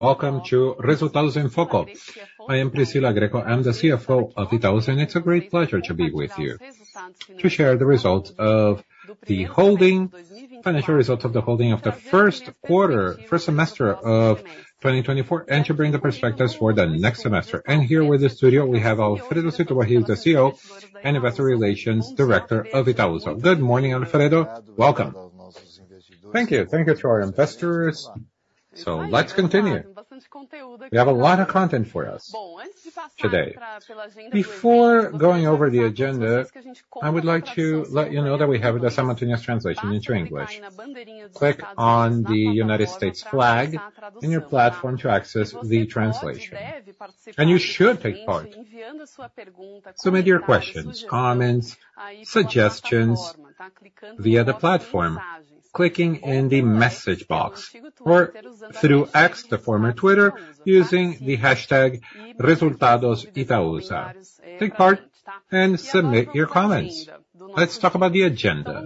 ...Welcome to Resultados Itaúsa. I am Priscila Grecco, I'm the CFO of Itaúsa, and it's a great pleasure to be with you, to share the results of the holding, financial results of the holding of the first quarter, first semester of 2024, and to bring the perspectives for the next semester. Here with the studio, we have Alfredo Setubal, the CEO and Investor Relations Director of Itaúsa. Good morning, Alfredo. Welcome. Thank you. Thank you to our investors. Let's continue. We have a lot of content for us today. Before going over the agenda, I would like to let you know that we have the simultaneous translation into English. Click on the United States flag in your platform to access the translation. You should take part. Submit your questions, comments, suggestions via the platform, clicking in the message box or through X, the former Twitter, using the hashtag resultadosItaúsa. Take part and submit your comments. Let's talk about the agenda.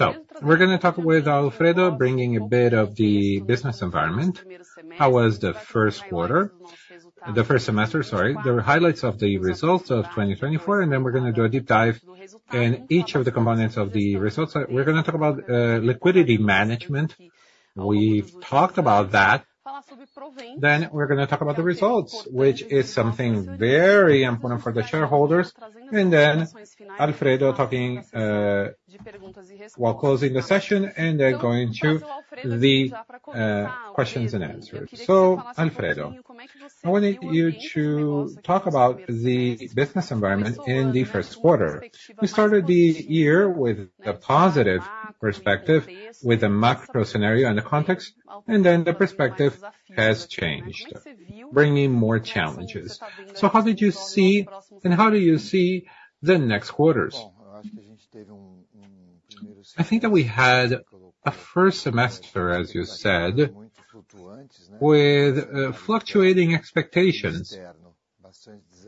So we're gonna talk with Alfredo, bringing a bit of the business environment. How was the first quarter? The first semester, sorry. The highlights of the results of 2024, and then we're gonna do a deep dive in each of the components of the results. We're gonna talk about liquidity management. We've talked about that. Then we're gonna talk about the results, which is something very important for the shareholders. And then Alfredo talking while closing the session, and then going to the questions and answers. So, Alfredo, I wanted you to talk about the business environment in the first quarter. We started the year with a positive perspective, with a macro scenario and a context, and then the perspective has changed, bringing more challenges. So how did you see, and how do you see the next quarters? I think that we had a first semester, as you said, with fluctuating expectations.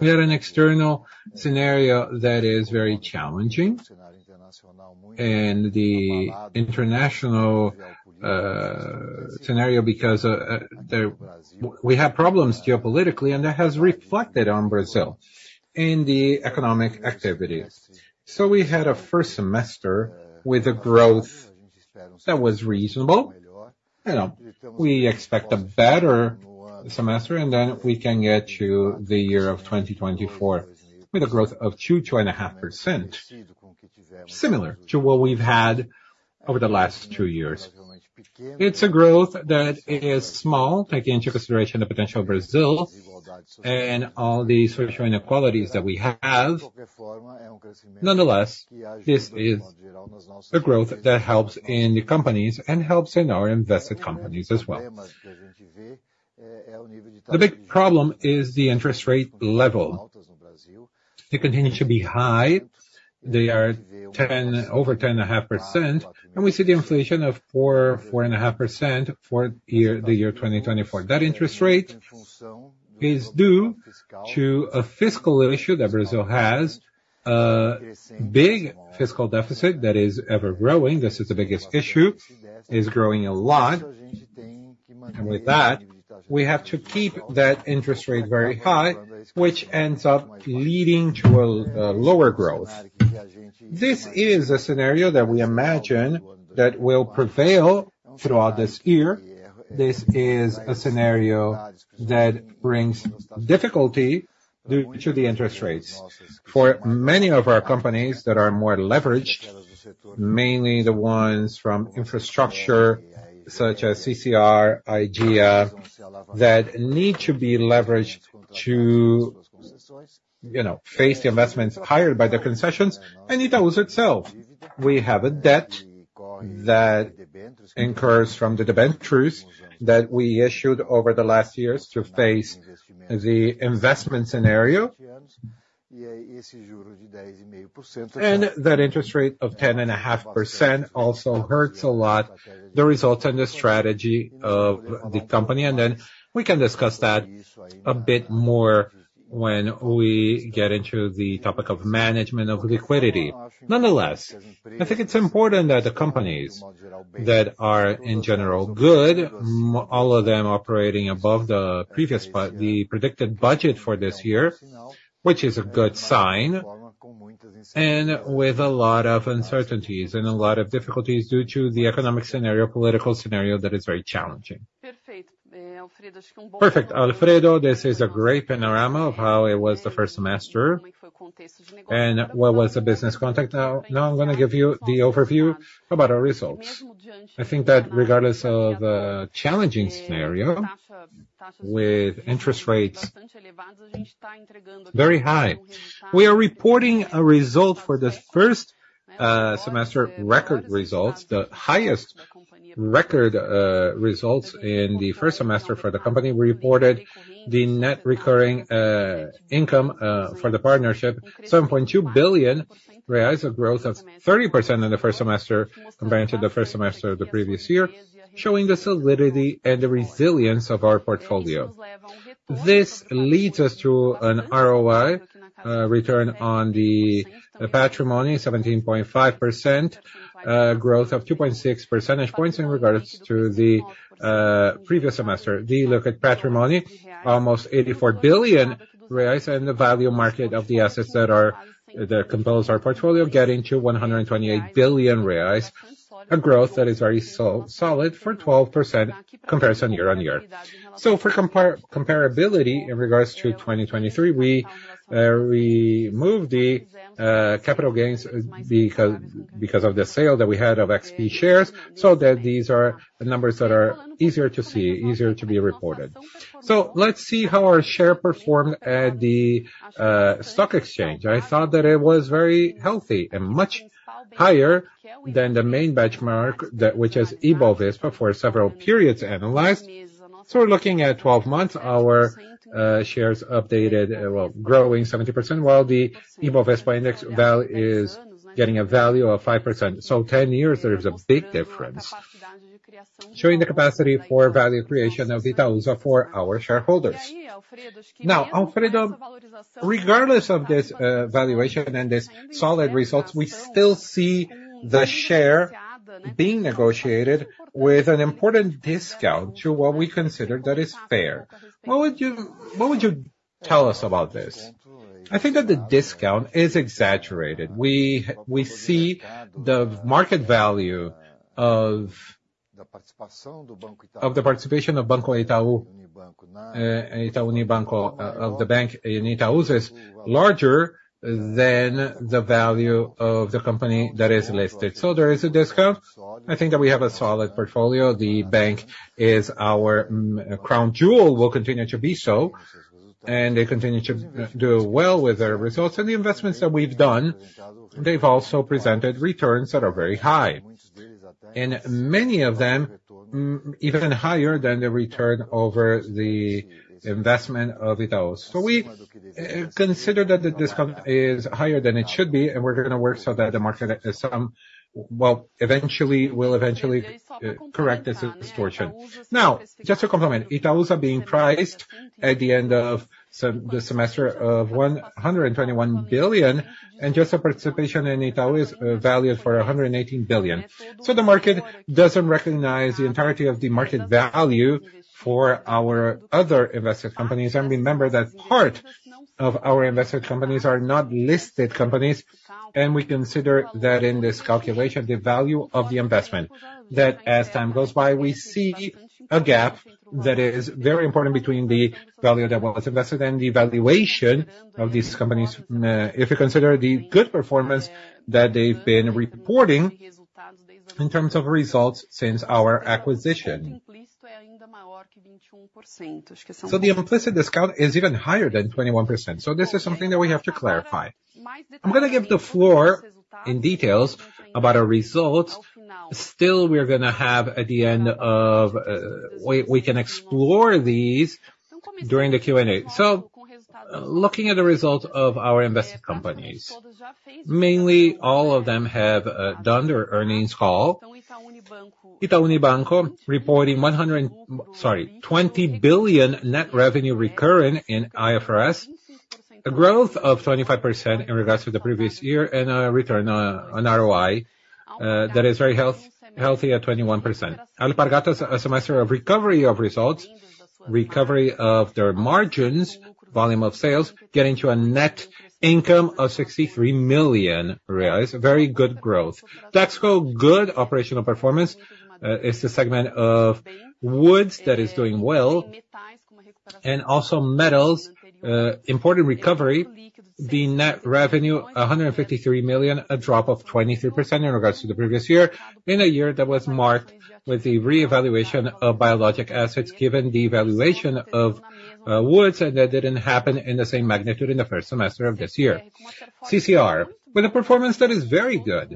We had an external scenario that is very challenging and the international scenario, because we have problems geopolitically, and that has reflected on Brazil in the economic activity. So we had a first semester with a growth that was reasonable. You know, we expect a better semester, and then we can get to the year of 2024 with a growth of 2%-2.5%, similar to what we've had over the last two years. It's a growth that is small, taking into consideration the potential of Brazil and all the social inequalities that we have. Nonetheless, this is a growth that helps in the companies and helps in our invested companies as well. The big problem is the interest rate level. They continue to be high. They are 10, over 10.5%, and we see the inflation of 4%-4.5% for the year 2024. That interest rate is due to a fiscal issue, that Brazil has a big fiscal deficit that is ever growing. This is the biggest issue, is growing a lot. And with that, we have to keep that interest rate very high, which ends up leading to a lower growth. This is a scenario that we imagine that will prevail throughout this year. This is a scenario that brings difficulty due to the interest rates. For many of our companies that are more leveraged, mainly the ones from infrastructure, such as CCR, Aegea, that need to be leveraged to, you know, face the investments hired by the concessions, and Itaúsa itself. We have a debt that incurs from the debentures that we issued over the last years to face the investment scenario. And that interest rate of 10.5% also hurts a lot the results and the strategy of the company, and then we can discuss that a bit more when we get into the topic of management of liquidity. Nonetheless, I think it's important that the companies that are, in general, good, all of them operating above the previous budget, the predicted budget for this year, which is a good sign, and with a lot of uncertainties and a lot of difficulties due to the economic scenario, political scenario that is very challenging. Perfect, Alfredo, this is a great panorama of how it was the first semester and what was the business context. Now, I'm gonna give you the overview about our results. I think that regardless of a challenging scenario with interest rates very high, we are reporting a result for the first semester, record results, the highest record results in the first semester for the company. We reported the net recurring income for the partnership, 7.2 billion, a growth of 30% in the first semester compared to the first semester of the previous year, showing the solidity and the resilience of our portfolio. This leads us to an ROE, return on the patrimony, 17.5%, growth of 2.6 percentage points in regards to the previous semester. We look at patrimony, almost 84 billion reais, and the market value of the assets that compose our portfolio, getting to 128 billion reais, a growth that is very solid for 12% comparison year-on-year. So for comparability, in regards to 2023, we moved the capital gains because of the sale that we had of XP shares, so that these are the numbers that are easier to see, easier to be reported. So let's see how our share performed at the stock exchange. I thought that it was very healthy and much higher than the main benchmark, that which is Ibovespa, for several periods analyzed. So we're looking at 12 months, our shares updated, well, growing 70%, while the Ibovespa index is getting a value of 5%. So 10 years, there is a big difference, showing the capacity for value creation of Itaúsa for our shareholders. Now, Alfredo, regardless of this valuation and these solid results, we still see the share being negotiated with an important discount to what we consider that is fair. What would you, what would you tell us about this? I think that the discount is exaggerated. We, we see the market value of, of the participation of Banco Itaú, Itaú Unibanco, of the bank in Itaúsa is larger than the value of the company that is listed. So there is a discount. I think that we have a solid portfolio. The bank is our crown jewel, will continue to be so, and they continue to do well with their results. And the investments that we've done, they've also presented returns that are very high. And many of them even higher than the return over the investment of Itaúsa. So we consider that the discount is higher than it should be, and we're gonna work so that the market some well eventually will eventually correct this distortion. Now, just to complement, Itaúsa being priced at the end of the semester at 121 billion, and just the participation in Itaú is valued for 118 billion. So the market doesn't recognize the entirety of the market value for our other invested companies. And remember that part of our invested companies are not listed companies, and we consider that in this calculation, the value of the investment, that as time goes by, we see a gap that is very important between the value that was invested and the valuation of these companies, if you consider the good performance that they've been reporting in terms of results since our acquisition. So the implicit discount is even higher than 21%. So this is something that we have to clarify. I'm gonna give the floor in details about our results. Still, we are gonna have at the end of... We can explore these during the Q&A. So looking at the results of our invested companies, mainly all of them have done their earnings call. Itaú Unibanco, reporting 120 billion net revenue recurring in IFRS, a growth of 25% in regards to the previous year, and a return, an ROE, that is very healthy at 21%. Alpargatas, a semester of recovery of results, recovery of their margins, volume of sales, getting to a net income of 63 million reais. Very good growth. Dexco, good operational performance, is the segment of woods that is doing well, and also metals, important recovery. The net revenue, 153 million, a drop of 23% in regards to the previous year, in a year that was marked with the reevaluation of biological assets, given the evaluation of woods, and that didn't happen in the same magnitude in the first semester of this year. CCR, with a performance that is very good.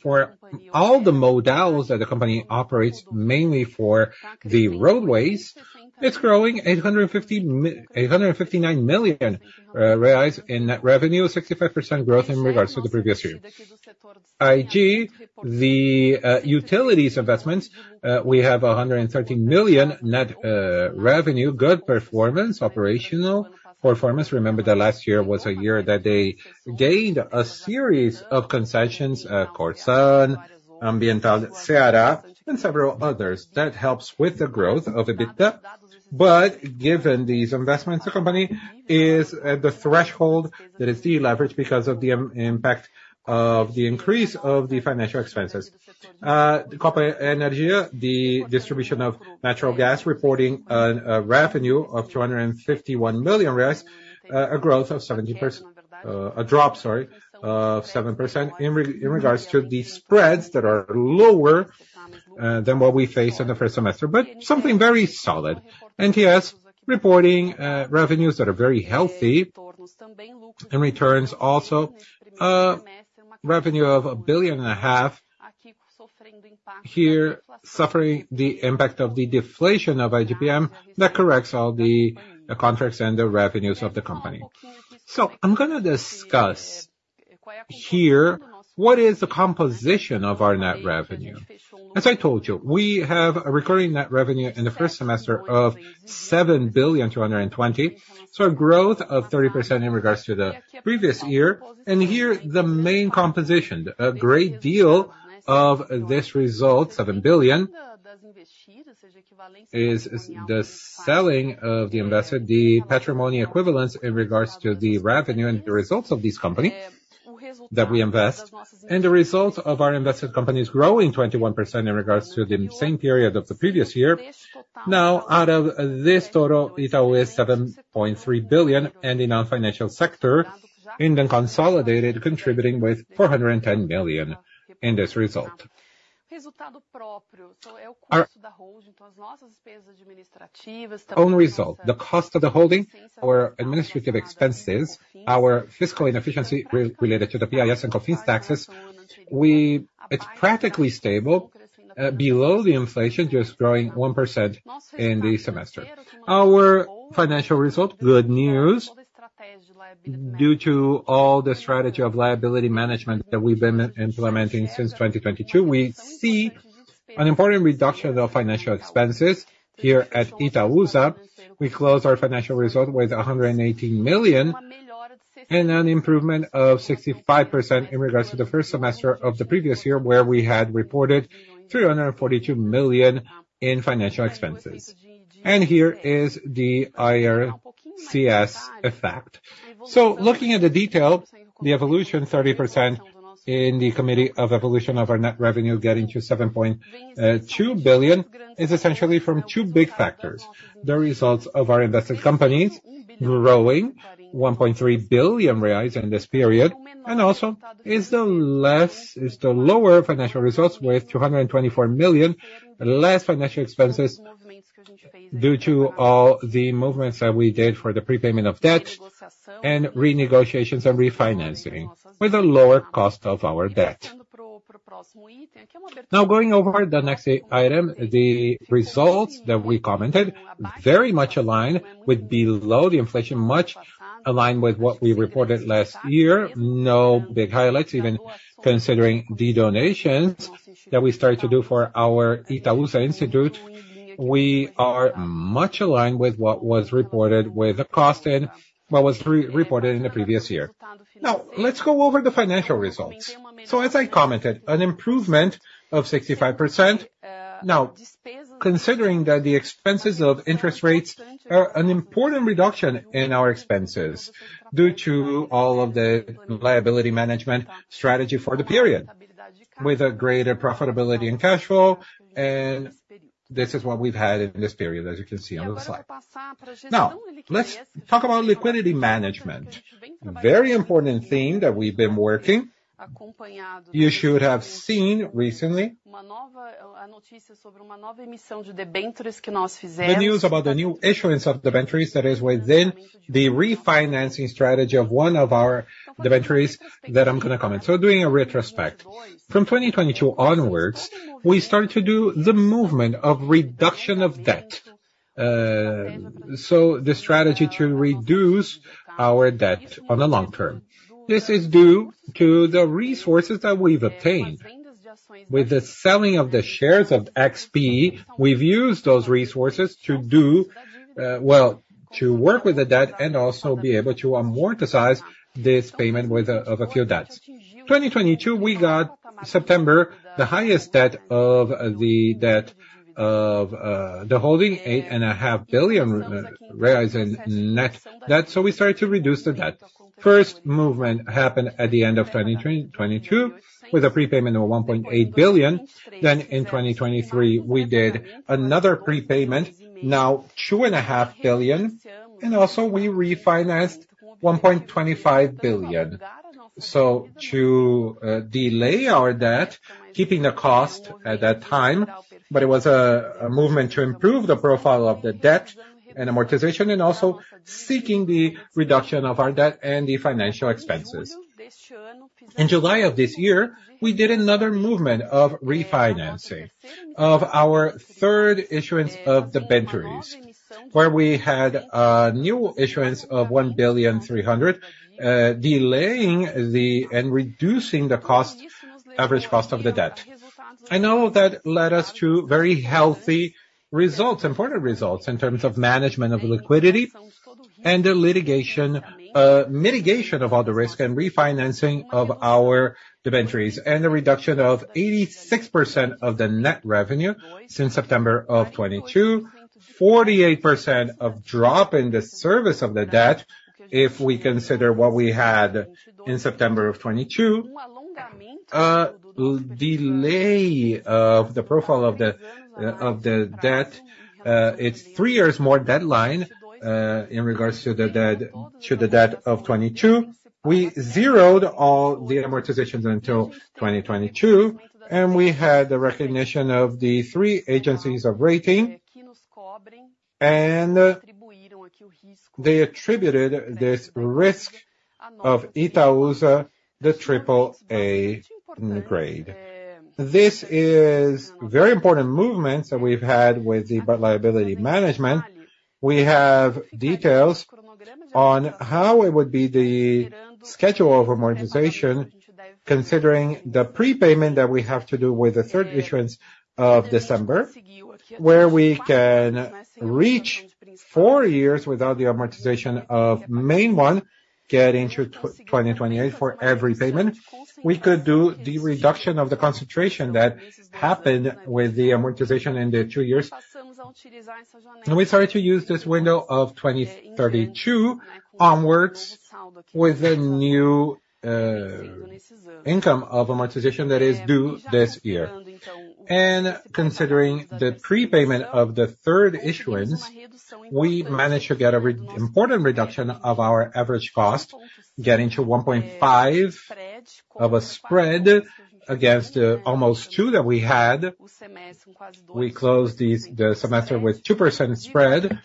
For all the modalities that the company operates, mainly for the roadways, it's growing 859 million reais in net revenue, 65% growth in regards to the previous year. Aegea, the utilities investments, we have 113 million net revenue, good performance, operational performance. Remember that last year was a year that they gained a series of concessions, Corsan, Ambiental Ceará, and several others. That helps with the growth of EBITDA. But given these investments, the company is at the threshold that is deleveraged because of the impact of the increase of the financial expenses. Copa Energia, the distribution of natural gas, reporting a revenue of 251 million reais, a growth of 70%, a drop, sorry, of 7% in regards to the spreads that are lower than what we faced in the first semester, but something very solid. NTS, reporting revenues that are very healthy, and returns also, revenue of 1.5 billion, here, suffering the impact of the deflation of IGP-M, that corrects all the contracts and the revenues of the company. So I'm gonna discuss here, what is the composition of our net revenue? As I told you, we have a recurring net revenue in the first semester of 7.22 billion. A growth of 30% in regards to the previous year. Here, the main composition, a great deal of this result, 7 billion, is the selling of the invested, the patrimony equivalents in regards to the revenue and the results of this company that we invest, and the results of our invested companies growing 21% in regards to the same period of the previous year. Now, out of this total, Itaú is 7.3 billion, and in our financial sector, in the consolidated, contributing with 410 billion in this result. Our own result, the cost of the holding, our administrative expenses, our fiscal inefficiency related to the PIS/COFINS taxes, it's practically stable, below the inflation, just growing 1% in the semester. Our financial result, good news. Due to all the strategy of liability management that we've been implementing since 2022, we see an important reduction of financial expenses here at Itaúsa. We closed our financial result with 118 million, and an improvement of 65% in regards to the first semester of the previous year, where we had reported 342 million in financial expenses. And here is the IFRS effect. So looking at the detail, the evolution, 30% in the cumulative evolution of our net revenue, getting to 7.2 billion, is essentially from two big factors: the results of our invested companies growing 1.3 billion reais in this period, and the lower financial results, with 224 million less financial expenses due to all the movements that we did for the prepayment of debt and renegotiations and refinancing, with a lower cost of our debt. Now, going over the next item, the results that we commented very much align with below the inflation, much aligned with what we reported last year. No big highlights, even considering the donations that we started to do for our Itaúsa Institute. We are much aligned with what was reported, with the cost and what was re-reported in the previous year. Now, let's go over the financial results. As I commented, an improvement of 65%. Now, considering that the expenses of interest rates are an important reduction in our expenses, due to all of the liability management strategy for the period, with a greater profitability and cash flow, and this is what we've had in this period, as you can see on the slide. Now, let's talk about liquidity management. A very important thing that we've been working. You should have seen recently... the news about the new issuance of debentures that is within the refinancing strategy of one of our debentures that I'm gonna comment. Doing a retrospect. From 2022 onwards, we started to do the movement of reduction of debt, so the strategy to reduce our debt on the long term. This is due to the resources that we've obtained. With the selling of the shares of XP, we've used those resources to do, well, to work with the debt and also be able to amortize this payment with of a few debts. 2022, we got September, the highest debt of the debt of the holding, 8.5 billion reais in net debt, so we started to reduce the debt. First movement happened at the end of 2022, with a prepayment of 1.8 billion. Then in 2023, we did another prepayment, now 2.5 billion, and also we refinanced 1.25 billion. So to, delay our debt, keeping the cost at that time, but it was a, a movement to improve the profile of the debt and amortization, and also seeking the reduction of our debt and the financial expenses. In July of this year, we did another movement of refinancing of our third issuance of debentures, where we had a new issuance of 1.3 billion, delaying and reducing the cost, average cost of the debt. I know that led us to very healthy results, important results, in terms of management of liquidity and the litigation, mitigation of all the risk and refinancing of our debentures, and the reduction of 86% of the net revenue since September of 2022, 48% drop in the service of the debt, if we consider what we had in September of 2022. Delay of the profile of the, of the debt, it's three years more deadline, in regards to the debt, to the debt of 2022. We zeroed all the amortizations until 2022, and we had the recognition of the three agencies of rating, and they attributed this risk of Itaúsa, the triple A grade. This is very important movements that we've had with the liability management. We have details on how it would be the schedule of amortization, considering the prepayment that we have to do with the third issuance of debentures, where we can reach four years without the amortization of main one, getting to 2028 for every payment. We could do the reduction of the concentration that happened with the amortization in the two years, and we started to use this window of 2032 onwards with a new, income of amortization that is due this year. Considering the prepayment of the third issuance, we managed to get a really important reduction of our average cost, getting to 1.5 of a spread against almost two that we had. We closed this semester with 2% spread,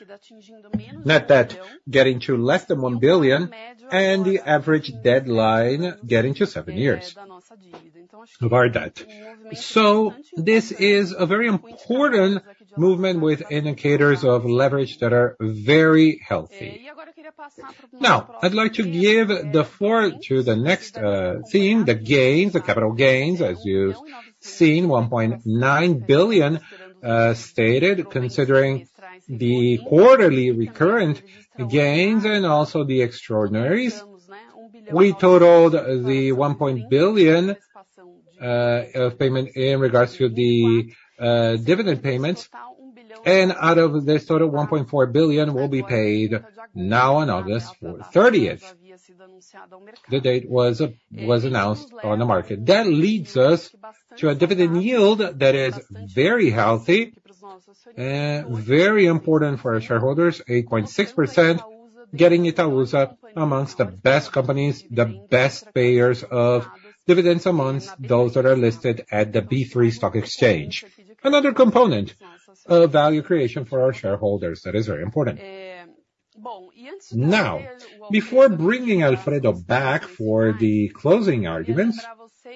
net debt getting to less than 1 billion, and the average deadline getting to seven years of our debt. So this is a very important movement with indicators of leverage that are very healthy. Now, I'd like to give the floor to the next theme, the gains, the capital gains, as you've seen, 1.9 billion stated, considering the quarterly recurrent gains and also the extraordinaries. We totaled 1.9 billion of payment in regards to the dividend payments, and out of this total, 1.4 billion will be paid now on August thirtieth. The date was announced on the market. That leads us to a dividend yield that is very healthy and very important for our shareholders, 8.6%, getting Itaúsa amongst the best companies, the best payers of dividends amongst those that are listed at the B3 Stock Exchange. Another component of value creation for our shareholders, that is very important. Now, before bringing Alfredo back for the closing arguments,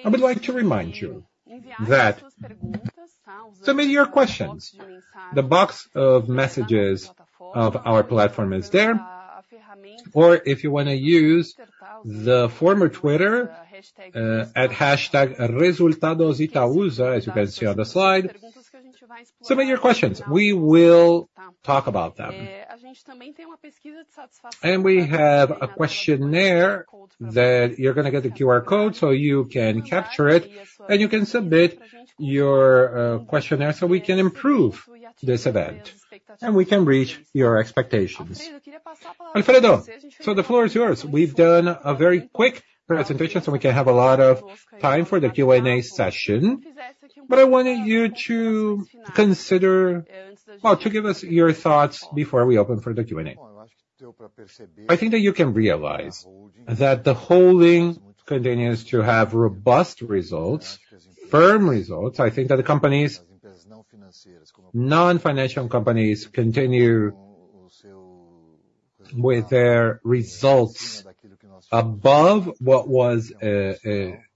I would like to remind you that submit your questions. The box of messages of our platform is there, or if you want to use the former Twitter, at hashtag resultadositausa, as you can see on the slide, submit your questions. We will talk about them. We have a questionnaire that you're gonna get the QR code, so you can capture it, and you can submit your questionnaire so we can improve this event and we can reach your expectations. Alfredo, so the floor is yours. We've done a very quick presentation, so we can have a lot of time for the Q&A session. But I wanted you to consider... Well, to give us your thoughts before we open for the Q&A. I think that you can realize that the holding continues to have robust results, firm results. I think that the companies, non-financial companies, continue with their results above what was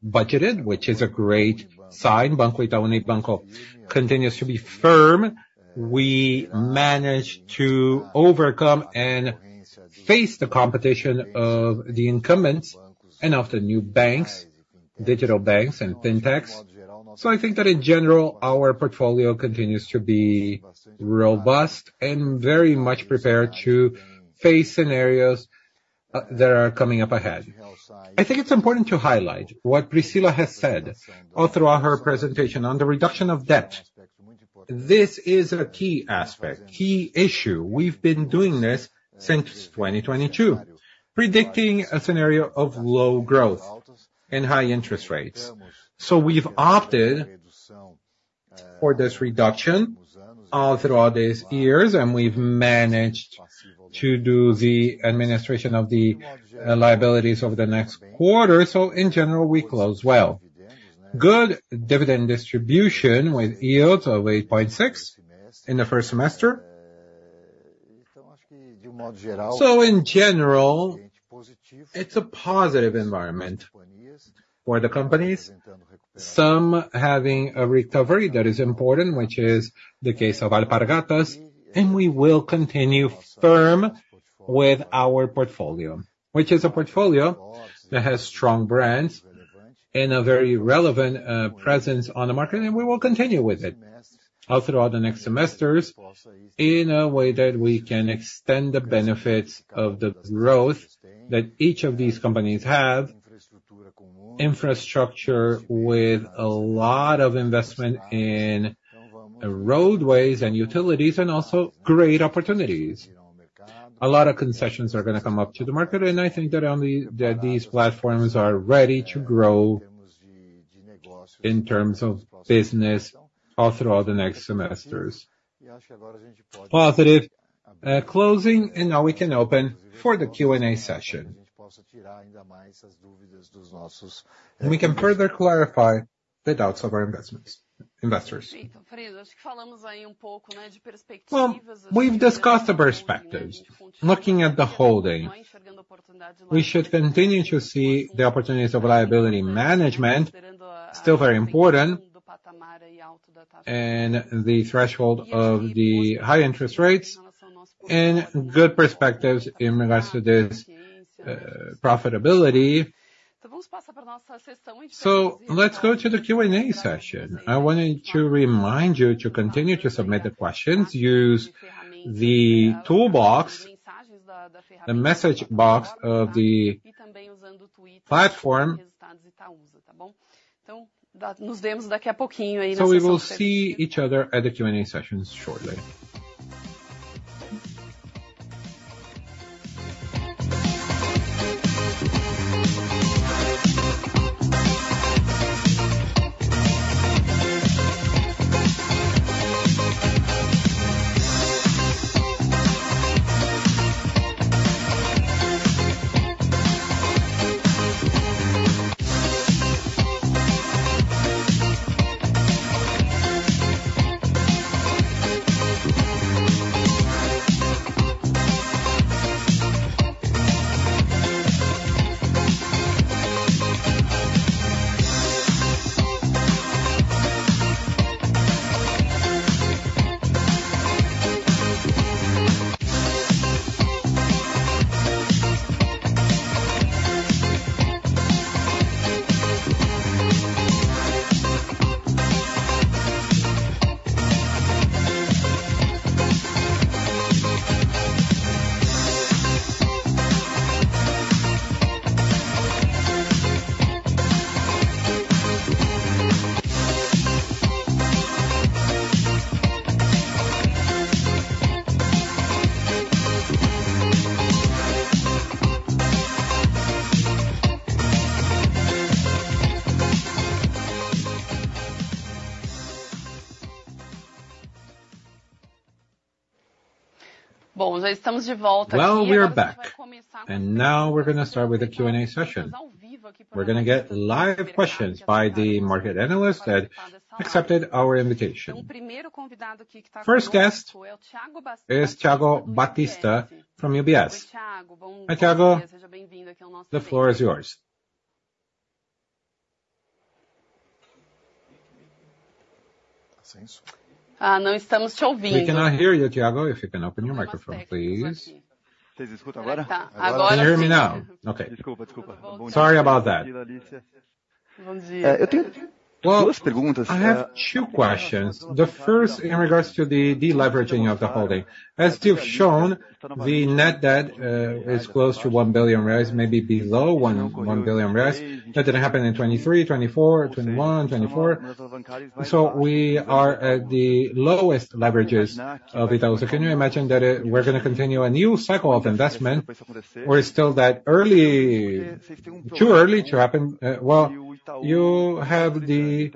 budgeted, which is a great sign. Banco Itaú Unibanco continues to be firm. We managed to overcome and face the competition of the incumbents and of the new banks, digital banks and fintechs. So I think that in general, our portfolio continues to be robust and very much prepared to face scenarios that are coming up ahead. I think it's important to highlight what Priscila has said all throughout her presentation on the reduction of debt. This is a key aspect, key issue. We've been doing this since 2022, predicting a scenario of low growth and high interest rates. So we've opted for this reduction all throughout these years, and we've managed to do the administration of the liabilities over the next quarter. So in general, we close well. Good dividend distribution with yields of 8.6% in the first semester. In general, it's a positive environment for the companies, some having a recovery that is important, which is the case of Alpargatas, and we will continue firm with our portfolio, which is a portfolio that has strong brands and a very relevant presence on the market, and we will continue with it all throughout the next semesters in a way that we can extend the benefits of the growth that each of these companies have. Infrastructure with a lot of investment in roadways and utilities, and also great opportunities. A lot of concessions are gonna come up to the market, and I think that that these platforms are ready to grow in terms of business all throughout the next semesters. Positive closing, and now we can open for the Q&A session. We can further clarify the doubts of our investments, investors. Well, we've discussed the perspectives. Looking at the holdings, we should continue to see the opportunities of liability management, still very important.... and the threshold of the high interest rates and good perspectives in regards to this, profitability. So let's go to the Q&A session. I wanted to remind you to continue to submit the questions. Use the toolbox, the message box of the platform. So we will see each other at the Q&A session shortly. Well, we are back, and now we're gonna start with the Q&A session. We're gonna get live questions by the market analysts that accepted our invitation. First guest is Thiago Batista from UBS. Hi, Thiago. The floor is yours. We cannot hear you, Thiago. If you can open your microphone, please. Can you hear me now? Okay. Sorry about that. Good day. Well, I have two questions. The first, in regards to the deleveraging of the holding. As you've shown, the net debt is close to 1 billion reais, maybe below 1 billion reais. That didn't happen in 2023, 2024, 2021, 2024. So we are at the lowest leverages of Itaú. So can you imagine that we're gonna continue a new cycle of investment, or it's still too early to happen? Well, you have the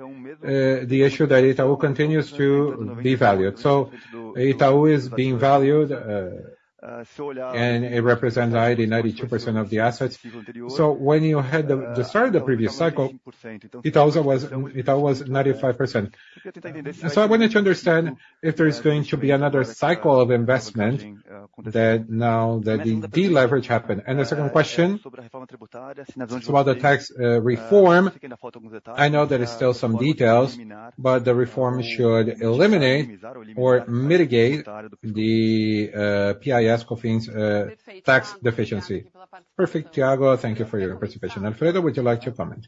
issue that Itaú continues to devalue. So Itaú is being valued and it represents highly 92% of the assets. So when you had the start of the previous cycle, Itaú was 95%. So I wanted to understand if there is going to be another cycle of investment now that the deleverage happened. The second question, it's about the tax reform. I know there is still some details, but the reform should eliminate or mitigate the PIS/COFINS tax deficiency. Perfect, Thiago. Thank you for your participation. Alfredo, would you like to comment?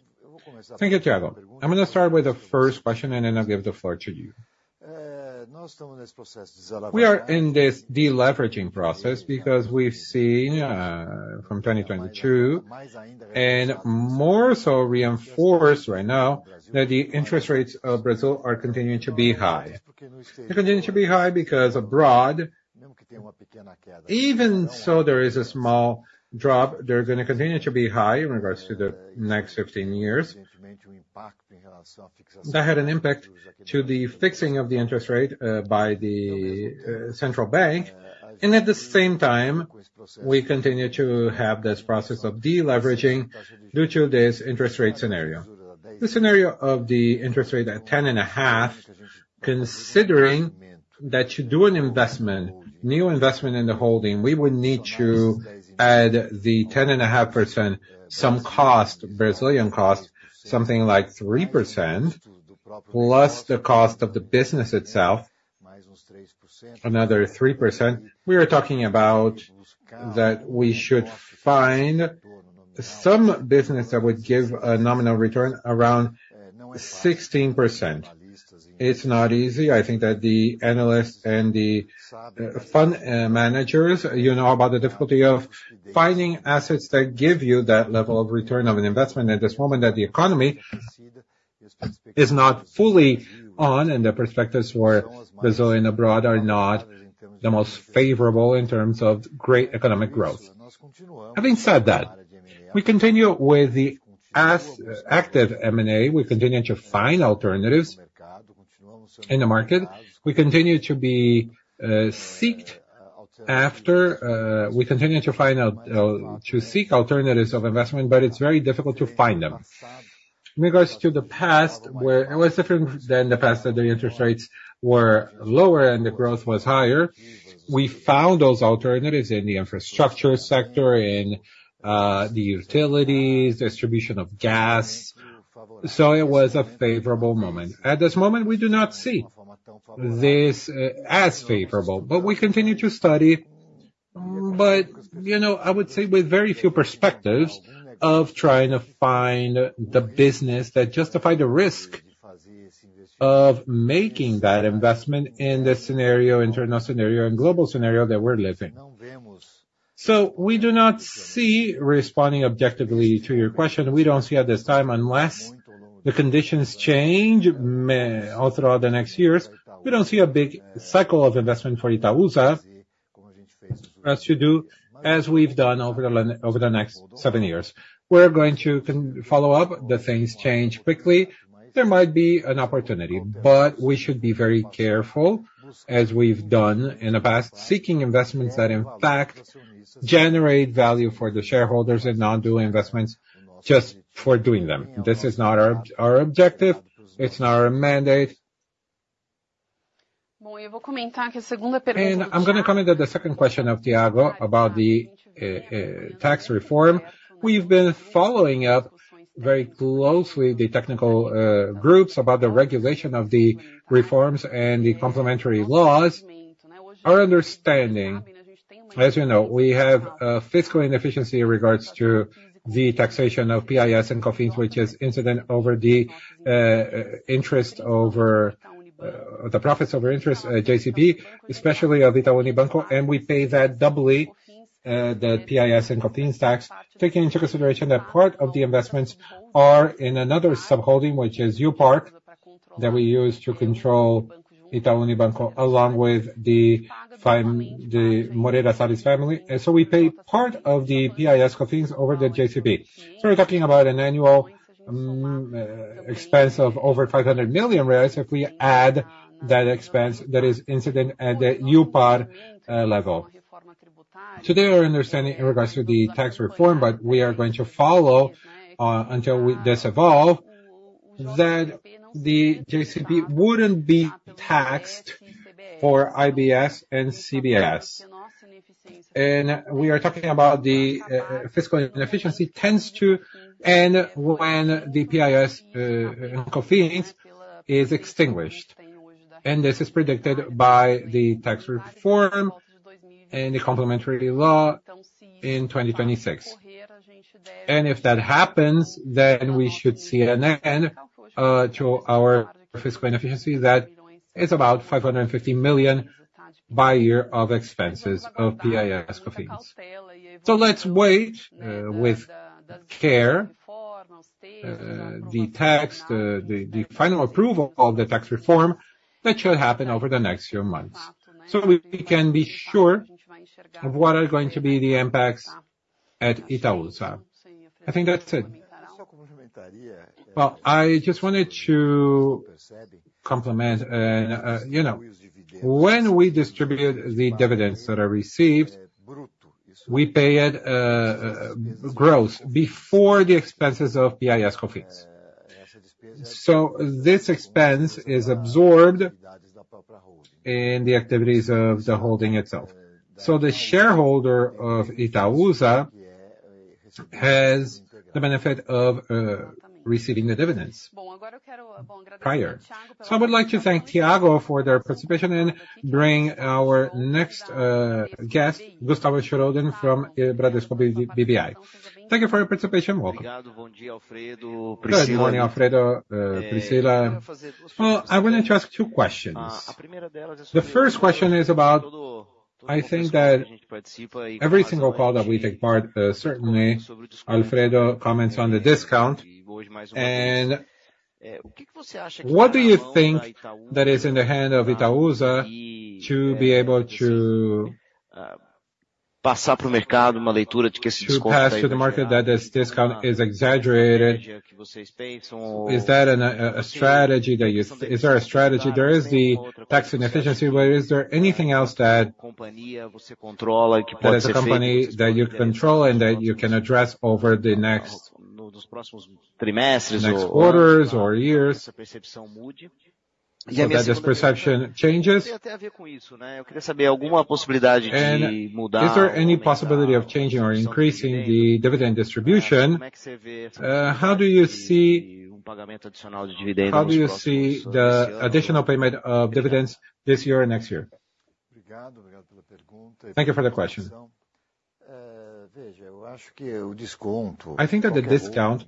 Thank you, Thiago. I'm gonna start with the first question, and then I'll give the floor to you. We are in this deleveraging process because we've seen, from 2022, and more so reinforced right now, that the interest rates of Brazil are continuing to be high. They continue to be high because abroad, even so there is a small drop, they're gonna continue to be high in regards to the next 15 years. That had an impact to the fixing of the interest rate, by the Central Bank, and at the same time, we continue to have this process of deleveraging due to this interest rate scenario. The scenario of the interest rate at 10.5, considering that you do an investment, new investment in the holding, we would need to add the 10.5%, some cost, Brazilian cost, something like 3%, plus the cost of the business itself, another 3%. We are talking about that we should find some business that would give a nominal return around 16%. It's not easy. I think that the analysts and the fund managers, you know about the difficulty of finding assets that give you that level of return on an investment at this moment, that the economy is not fully on, and the perspectives for Brazil and abroad are not the most favorable in terms of great economic growth. Having said that, we continue with the active M&A. We continue to find alternatives in the market. We continue to be sought after. We continue to find out to seek alternatives of investment, but it's very difficult to find them. In regards to the past, where it was different than the past, that the interest rates were lower and the growth was higher, we found those alternatives in the infrastructure sector, in the utilities, distribution of gas, so it was a favorable moment. At this moment, we do not see this as favorable, but we continue to study... But, you know, I would say with very few perspectives of trying to find the business that justify the risk of making that investment in the scenario, internal scenario and global scenario that we're living. We do not see, responding objectively to your question, we don't see at this time, unless the conditions change, all throughout the next years, we don't see a big cycle of investment for Itaúsa, as you do, as we've done over the next seven years. We're going to follow up, the things change quickly. There might be an opportunity, but we should be very careful, as we've done in the past, seeking investments that in fact generate value for the shareholders and not doing investments just for doing them. This is not our objective, it's not our mandate. And I'm gonna comment on the second question of Thiago about the tax reform. We've been following up very closely the technical groups about the regulation of the reforms and the complementary laws. Our understanding, as you know, we have a fiscal inefficiency in regards to the taxation of PIS and COFINS, which is incident over the, interest over, the profits, over interest, JCP, especially of Itaú Unibanco, and we pay that doubly, the PIS and COFINS tax, taking into consideration that part of the investments are in another sub-holding, which is IUPAR, that we use to control Itaú Unibanco, along with the five, the Moreira Salles family. And so we pay part of the PIS, COFINS over the JCP. So we're talking about an annual, expense of over 500 million reais, if we add that expense that is incident at the IUPAR level. Today, our understanding in regards to the tax reform, but we are going to follow, until this evolve, that the JCP wouldn't be taxed for IBS and CBS. We are talking about the fiscal inefficiency tends to end when the PIS and COFINS is extinguished. And this is predicted by the tax reform and the complementary law in 2026. And if that happens, then we should see an end to our fiscal inefficiency that is about 550 million by year of expenses of PIS, COFINS. So let's wait with care the final approval of the tax reform that should happen over the next few months. So we can be sure of what are going to be the impacts at Itaúsa. I think that's it. Well, I just wanted to complement. You know, when we distribute the dividends that are received, we pay it gross before the expenses of PIS, COFINS. So this expense is absorbed in the activities of the holding itself. So the shareholder of Itaúsa has the benefit of receiving the dividends prior. So I would like to thank Thiago for their participation and bring our next guest, Gustavo Schroder, from Bradesco BBI. Thank you for your participation. Welcome. Good morning, Alfredo. Priscila. Well, I wanted to ask two questions. The first question is about, I think that every single call that we take part, certainly Alfredo comments on the discount. And what do you think that is in the hand of Itaúsa to be able to... To pass to the market that this discount is exaggerated? Is that a strategy that you-- Is there a strategy? There is the tax inefficiency, but is there anything else that, as a company, that you control and that you can address over the next, next quarters or years, so that this perception changes? And is there any possibility of changing or increasing the dividend distribution? How do you see, how do you see the additional payment of dividends this year or next year? Thank you for the question. I think that the discount...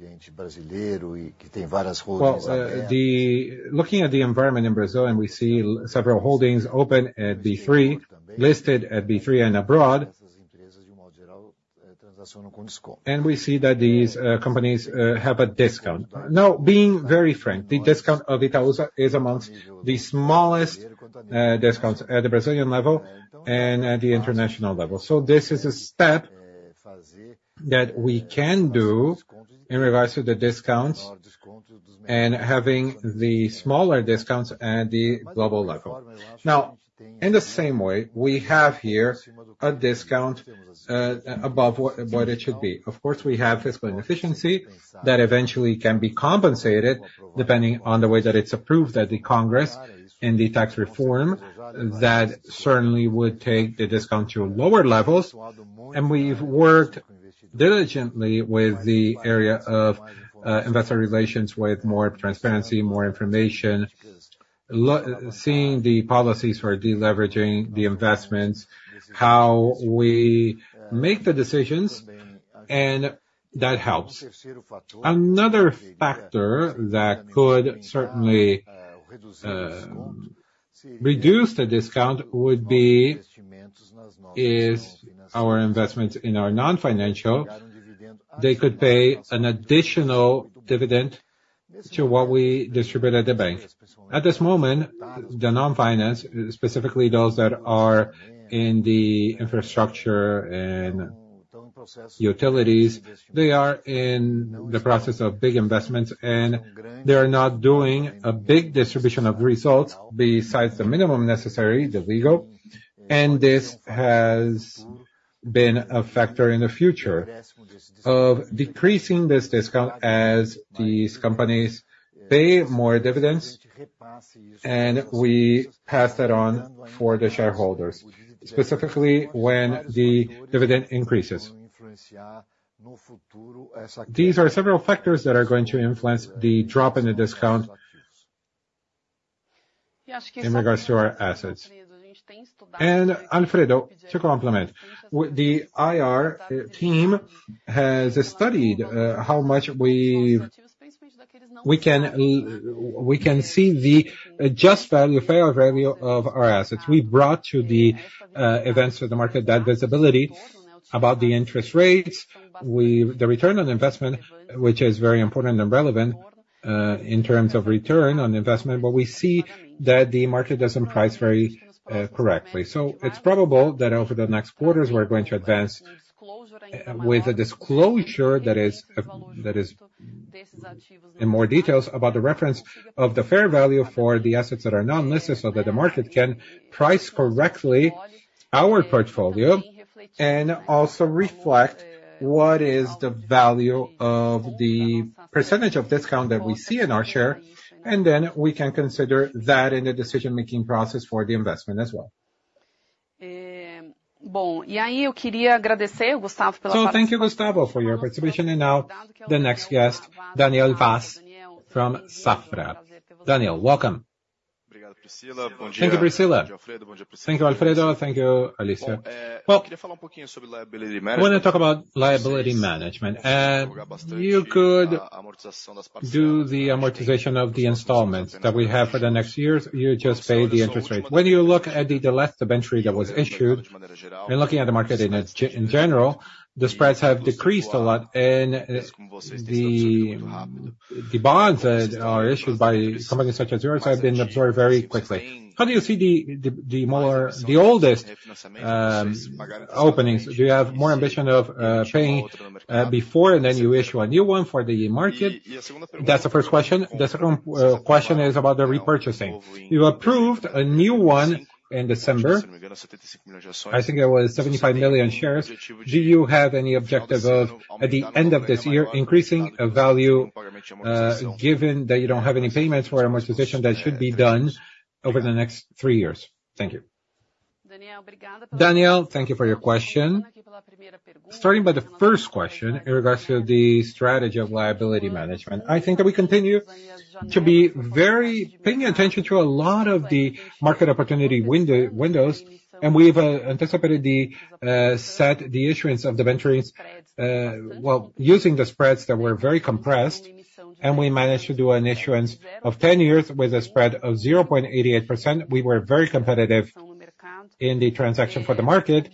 Well, looking at the environment in Brazil, and we see several holdings open at B3, listed at B3 and abroad, and we see that these companies have a discount. Now, being very frank, the discount of Itaúsa is amongst the smallest discounts at the Brazilian level and at the international level. So this is a step that we can do in regards to the discounts and having the smaller discounts at the global level. Now, in the same way, we have here a discount above what it should be. Of course, we have fiscal inefficiency that eventually can be compensated, depending on the way that it's approved at the Congress and the tax reform. That certainly would take the discount to lower levels, and we've worked diligently with the area of investor relations, with more transparency, more information, seeing the policies for deleveraging the investments, how we make the decisions, and that helps. Another factor that could certainly reduce the discount would be our investments in our non-financial. They could pay an additional dividend to what we distribute at the bank. At this moment, the non-finance, specifically those that are in the infrastructure and utilities, they are in the process of big investments, and they are not doing a big distribution of the results besides the minimum necessary, the legal. This has been a factor in the future of decreasing this discount as these companies pay more dividends, and we pass that on for the shareholders, specifically when the dividend increases. These are several factors that are going to influence the drop in the discount in regards to our assets. Alfredo, to complement, with the IR team has studied how much we can see the just value, fair value of our assets. We brought to the events of the market that visibility about the interest rates. The return on investment, which is very important and relevant, in terms of return on investment, but we see that the market doesn't price very correctly. So it's probable that over the next quarters, we're going to advance with a disclosure that is, that is in more details about the reference of the fair value for the assets that are not listed, so that the market can price correctly our portfolio, and also reflect what is the value of the percentage of discount that we see in our share, and then we can consider that in the decision-making process for the investment as well. So thank you, Gustavo, for your participation. And now the next guest, Daniel Vaz from Safra. Daniel, welcome. Thank you, Priscila. Thank you, Alfredo. Thank you, Alicia. Well, I wanna talk about liability management. You could do the amortization of the installments that we have for the next years. You just pay the interest rate. When you look at the last debenture that was issued, and looking at the market in general, the spreads have decreased a lot, and the bonds that are issued by companies such as yours have been absorbed very quickly. How do you see the more the oldest openings? Do you have more ambition of paying before, and then you issue a new one for the market? That's the first question. The second question is about the repurchasing. You approved a new one in December. I think it was 75 million shares. Do you have any objective of, at the end of this year, increasing a value, given that you don't have any payments for amortization that should be done over the next three years? Thank you. Daniel, thank you for your question. Starting by the first question, in regards to the strategy of liability management, I think that we continue to be very paying attention to a lot of the market opportunity windows, and we've anticipated the set the issuance of debentures, well, using the spreads that were very compressed, and we managed to do an issuance of 10 years with a spread of 0.88%. We were very competitive in the transaction for the market,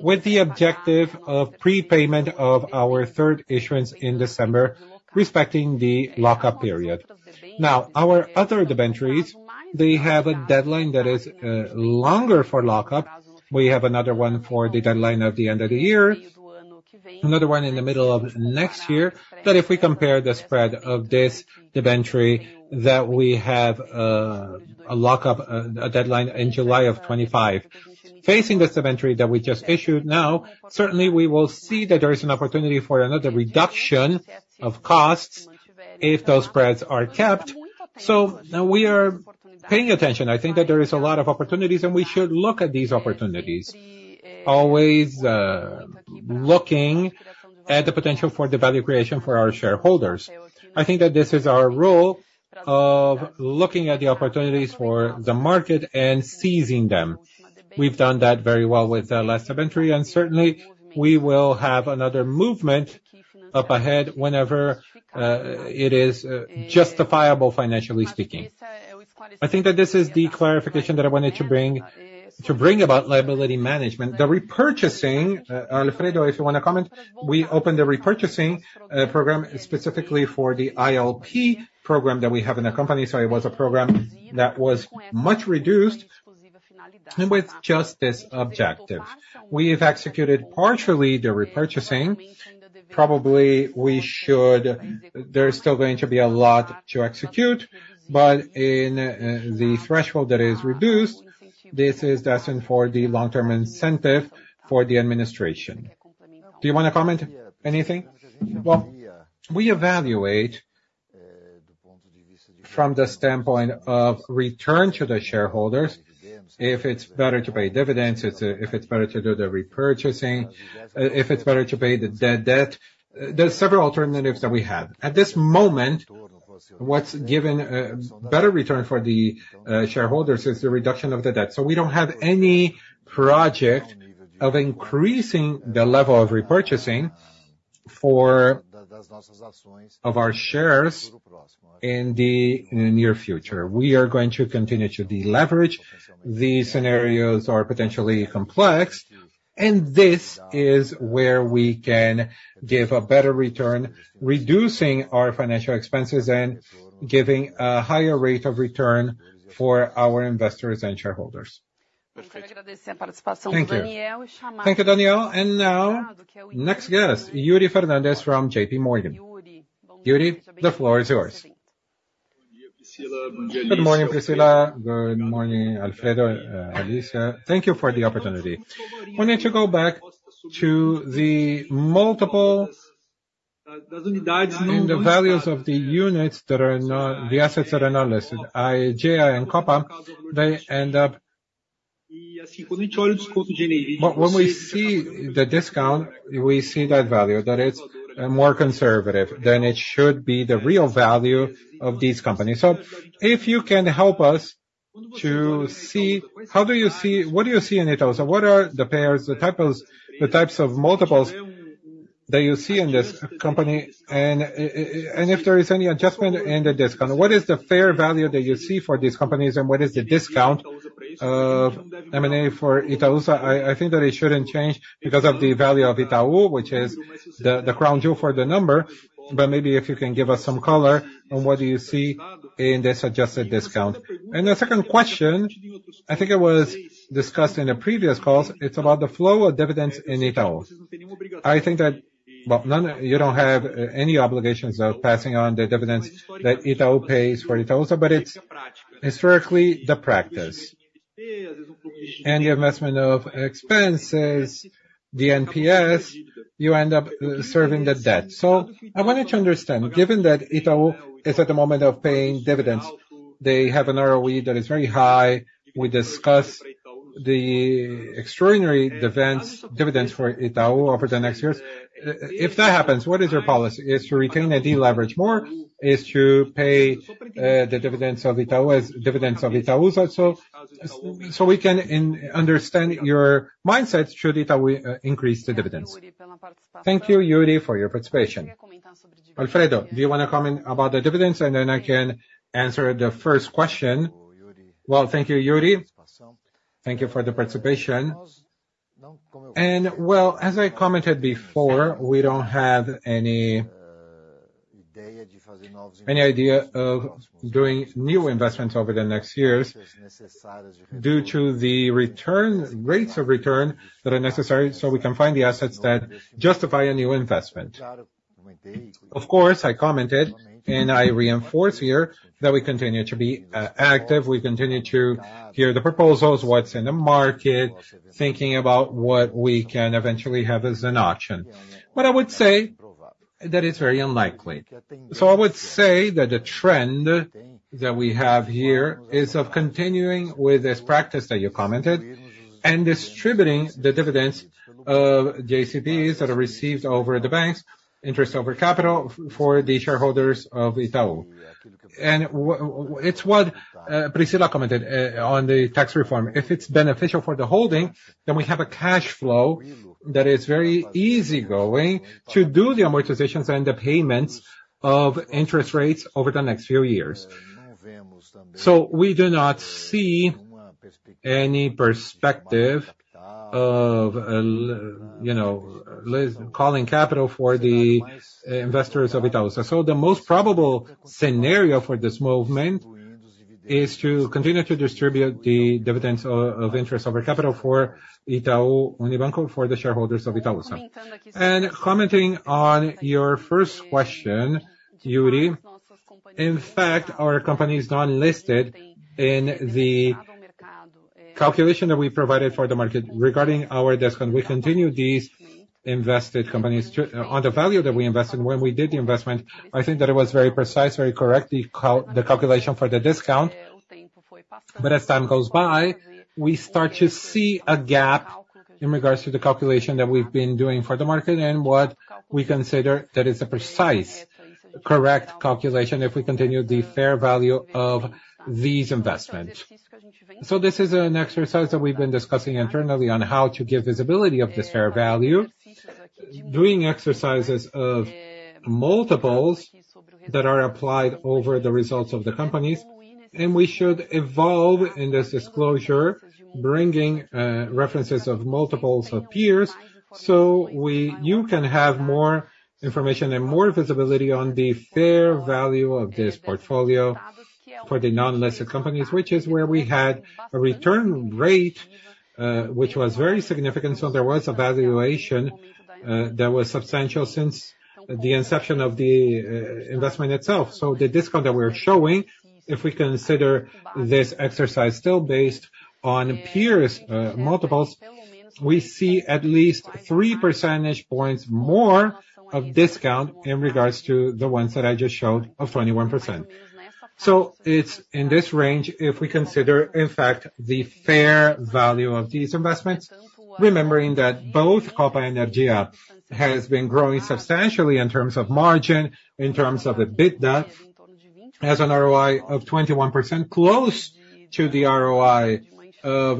with the objective of prepayment of our third issuance in December, respecting the lockup period. Now, our other debentures, they have a deadline that is longer for lockup. We have another one for the deadline at the end of the year, another one in the middle of next year. But if we compare the spread of this debenture that we have a lockup a deadline in July of 2025. Facing this debenture that we just issued now, certainly we will see that there is an opportunity for another reduction of costs if those spreads are kept. So we are paying attention. I think that there is a lot of opportunities, and we should look at these opportunities, always looking at the potential for the value creation for our shareholders. I think that this is our role of looking at the opportunities for the market and seizing them. We've done that very well with the last debenture, and certainly, we will have another movement up ahead whenever it is justifiable, financially speaking. I think that this is the clarification that I wanted to bring, to bring about liability management. The repurchasing, Alfredo, if you want to comment, we opened the repurchasing program specifically for the ILP program that we have in the company. So it was a program that was much reduced with just this objective. We've executed partially the repurchasing. Probably, we should-- There's still going to be a lot to execute, but in the threshold that is reduced, this is destined for the long-term incentive for the administration. Do you want to comment anything? Well, we evaluate-... From the standpoint of return to the shareholders, if it's better to pay dividends, it's if it's better to do the repurchasing, if it's better to pay the debt. There are several alternatives that we have. At this moment, what's given a better return for the shareholders is the reduction of the debt. So we don't have any project of increasing the level of repurchasing of our shares in the near future. We are going to continue to deleverage. These scenarios are potentially complex, and this is where we can give a better return, reducing our financial expenses and giving a higher rate of return for our investors and shareholders. Thank you. Thank you, Daniel. And now, next guest, Yuri Fernandes from J.P. Morgan. Yuri, the floor is yours. Good morning, Priscila. Good morning, Alfredo, Alicia. Thank you for the opportunity. I wanted to go back to the multiple in the values of the units that are not, the assets that are not listed, i.e., Aegea and Copa. They end up. But when we see the discount, we see that value, that it's more conservative than it should be, the real value of these companies. So if you can help us to see, how do you see? What do you see in Itaú? So what are the peers, the types of multiples that you see in this company, and if there is any adjustment in the discount? What is the fair value that you see for these companies, and what is the discount of M&A for Itaúsa? I think that it shouldn't change because of the value of Itaú, which is the crown jewel for the number. But maybe if you can give us some color on what you see in this adjusted discount. And the second question, I think it was discussed in the previous calls, it's about the flow of dividends in Itaú. I think that, well, none, you don't have any obligations of passing on the dividends that Itaú pays for Itaúsa, but it's historically the practice. And the investment of expenses, the NTS, you end up serving the debt. So I wanted to understand, given that Itaú is at the moment of paying dividends, they have an ROE that is very high. We discuss the extraordinary dividends, dividends for Itaú over the next years. If that happens, what is your policy? Is to retain and deleverage more? Is to pay the dividends of Itaú as dividends of Itaúsa? So we can understand your mindset, should Itaú increase the dividends? Thank you, Yuri, for your participation. Alfredo, do you wanna comment about the dividends, and then I can answer the first question? Well, thank you, Yuri. Thank you for the participation. And well, as I commented before, we don't have any, any idea of doing new investments over the next years due to the return, rates of return that are necessary, so we can find the assets that justify a new investment. Of course, I commented, and I reinforce here, that we continue to be, active. We continue to hear the proposals, what's in the market, thinking about what we can eventually have as an option. But I would say that it's very unlikely. So I would say that the trend that we have here is of continuing with this practice that you commented, and distributing the dividends of JCPs that are received over the banks, interest over capital for the shareholders of Itaú. And it's what Priscila commented on the tax reform. If it's beneficial for the holding, then we have a cash flow that is very easy going to do the amortizations and the payments of interest rates over the next few years. So we do not see any perspective of, you know, calling capital for the investors of Itaúsa. So the most probable scenario for this movement is to continue to distribute the dividends of interest over capital for Itaú Unibanco, for the shareholders of Itaúsa. Commenting on your first question, Yuri, in fact, our company is not listed in the calculation that we provided for the market regarding our discount. We continue these invested companies to... On the value that we invested when we did the investment, I think that it was very precise, very correct, the calculation for the discount. But as time goes by, we start to see a gap in regards to the calculation that we've been doing for the market, and what we consider that is a precise, correct calculation if we continue the fair value of these investments. So this is an exercise that we've been discussing internally on how to give visibility of this fair value, doing exercises of multiples that are applied over the results of the companies. We should evolve in this disclosure, bringing references of multiples of peers, so you can have more information and more visibility on the fair value of this portfolio for the non-listed companies, which is where we had a return rate which was very significant. So there was a valuation that was substantial since the inception of the investment itself. So the discount that we're showing, if we consider this exercise still based on peers' multiples, we see at least three percentage points more of discount in regards to the ones that I just showed of 21%.... So it's in this range, if we consider, in fact, the fair value of these investments, remembering that both Copa Energia has been growing substantially in terms of margin, in terms of EBITDA, has an ROE of 21%, close to the ROE of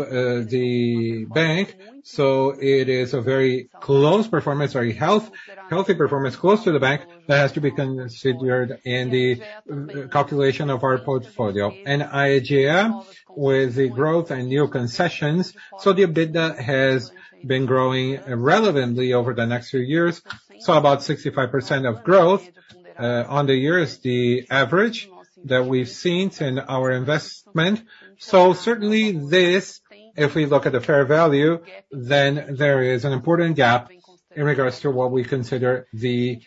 the bank. So it is a very close performance or a healthy performance, close to the bank, that has to be considered in the calculation of our portfolio. And Aegea, with the growth and new concessions, so the EBITDA has been growing relevantly over the next few years. So about 65% of growth on the year is the average that we've seen in our investment. So certainly, this, if we look at the fair value, then there is an important gap in regards to what we consider the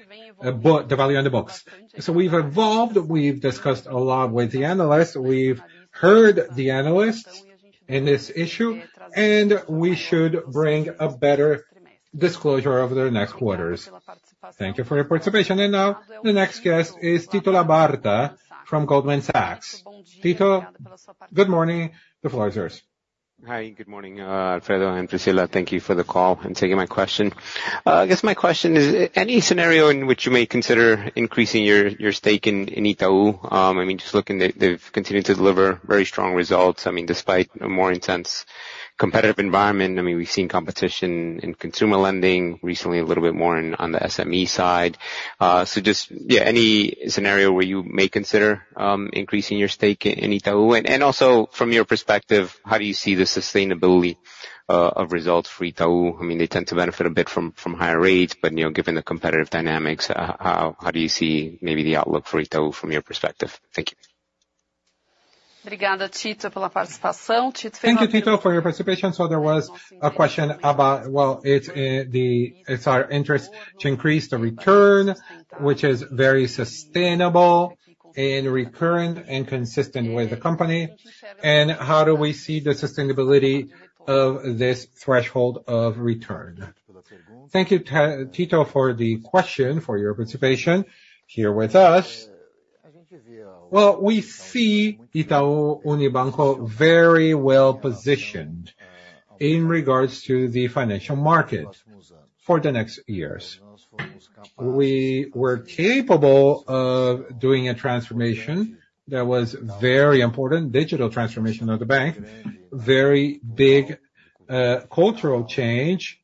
book value on the books. So we've evolved, we've discussed a lot with the analysts, we've heard the analysts in this issue, and we should bring a better disclosure over the next quarters. Thank you for your participation. And now, the next guest is Tito Labarta from Goldman Sachs. Tito, good morning. The floor is yours. Hi, good morning, Alfredo and Priscila. Thank you for the call, and taking my question. I guess my question is: any scenario in which you may consider increasing your, your stake in, in Itaú? I mean, just looking, they, they've continued to deliver very strong results. I mean, despite a more intense competitive environment, I mean, we've seen competition in consumer lending, recently a little bit more in on the SME side. So just, yeah, any scenario where you may consider increasing your stake in, in Itaú? And, and also, from your perspective, how do you see the sustainability of results for Itaú? I mean, they tend to benefit a bit from, from higher rates, but, you know, given the competitive dynamics, how, how do you see maybe the outlook for Itaú from your perspective? Thank you. Thank you, Tito, for your participation. So there was a question about... Well, it's, it's our interest to increase the return, which is very sustainable and recurrent and consistent with the company. And how do we see the sustainability of this threshold of return? Thank you, Tito, for the question, for your participation here with us. Well, we see Itaú Unibanco very well positioned in regards to the financial market for the next years. We were capable of doing a transformation that was very important, digital transformation of the bank, very big, cultural change